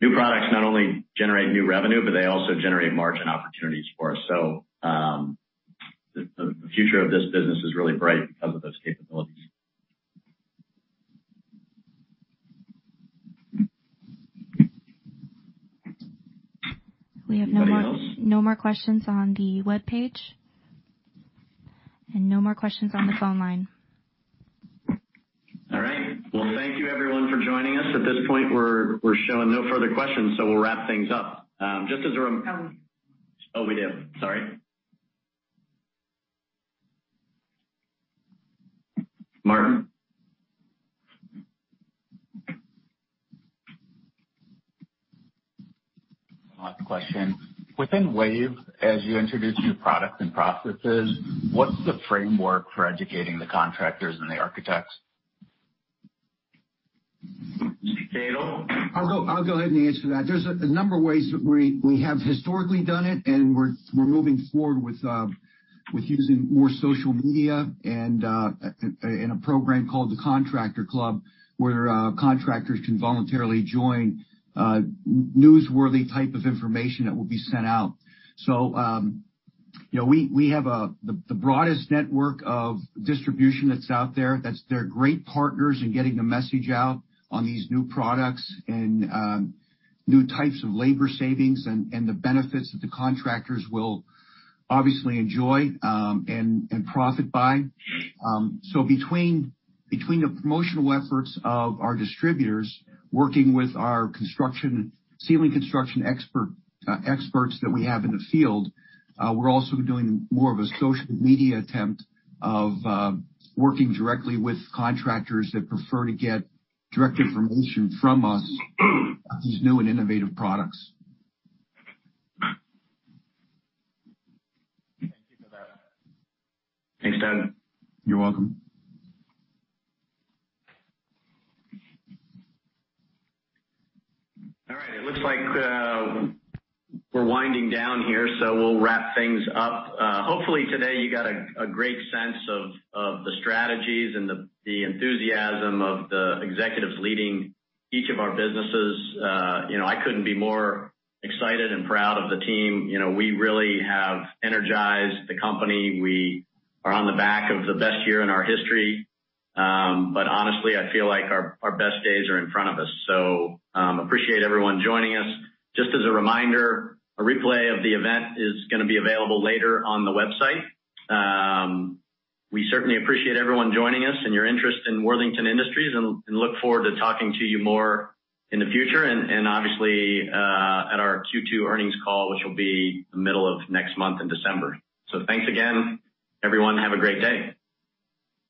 is new products not only generate new revenue, but they also generate margin opportunities for us. The future of this business is really bright because of those capabilities. We have no more. Anybody else? No more questions on the webpage. No more questions on the phone line. All right. Well, thank you everyone for joining us. At this point, we're showing no further questions, so we'll wrap things up. Just as a rem- Oh. Oh, we do. Sorry. Martin? One last question. Within WAVE, as you introduce new products and processes, what's the framework for educating the contractors and the architects? Dale? I'll go ahead and answer that. There's a number of ways that we have historically done it, and we're moving forward with using more social media and a program called the Contractor Club, where contractors can voluntarily join newsworthy type of information that will be sent out. You know, we have the broadest network of distribution that's out there. They're great partners in getting the message out on these new products and new types of labor savings and the benefits that the contractors will obviously enjoy and profit by. Between the promotional efforts of our distributors working with our ceiling construction experts that we have in the field, we're also doing more of a social media attempt of working directly with contractors that prefer to get direct information from us about these new and innovative products. Thank you for that. Thanks, Dale. You're welcome. All right. It looks like we're winding down here, so we'll wrap things up. Hopefully today you got a great sense of the strategies and the enthusiasm of the executives leading each of our businesses. You know, I couldn't be more excited and proud of the team. You know, we really have energized the company. We are on the back of the best year in our history. Honestly, I feel like our best days are in front of us. Appreciate everyone joining us. Just as a reminder, a replay of the event is gonna be available later on the website. We certainly appreciate everyone joining us and your interest in Worthington Industries and look forward to talking to you more in the future and obviously at our Q2 earnings call, which will be the middle of next month in December. Thanks again, everyone. Have a great day.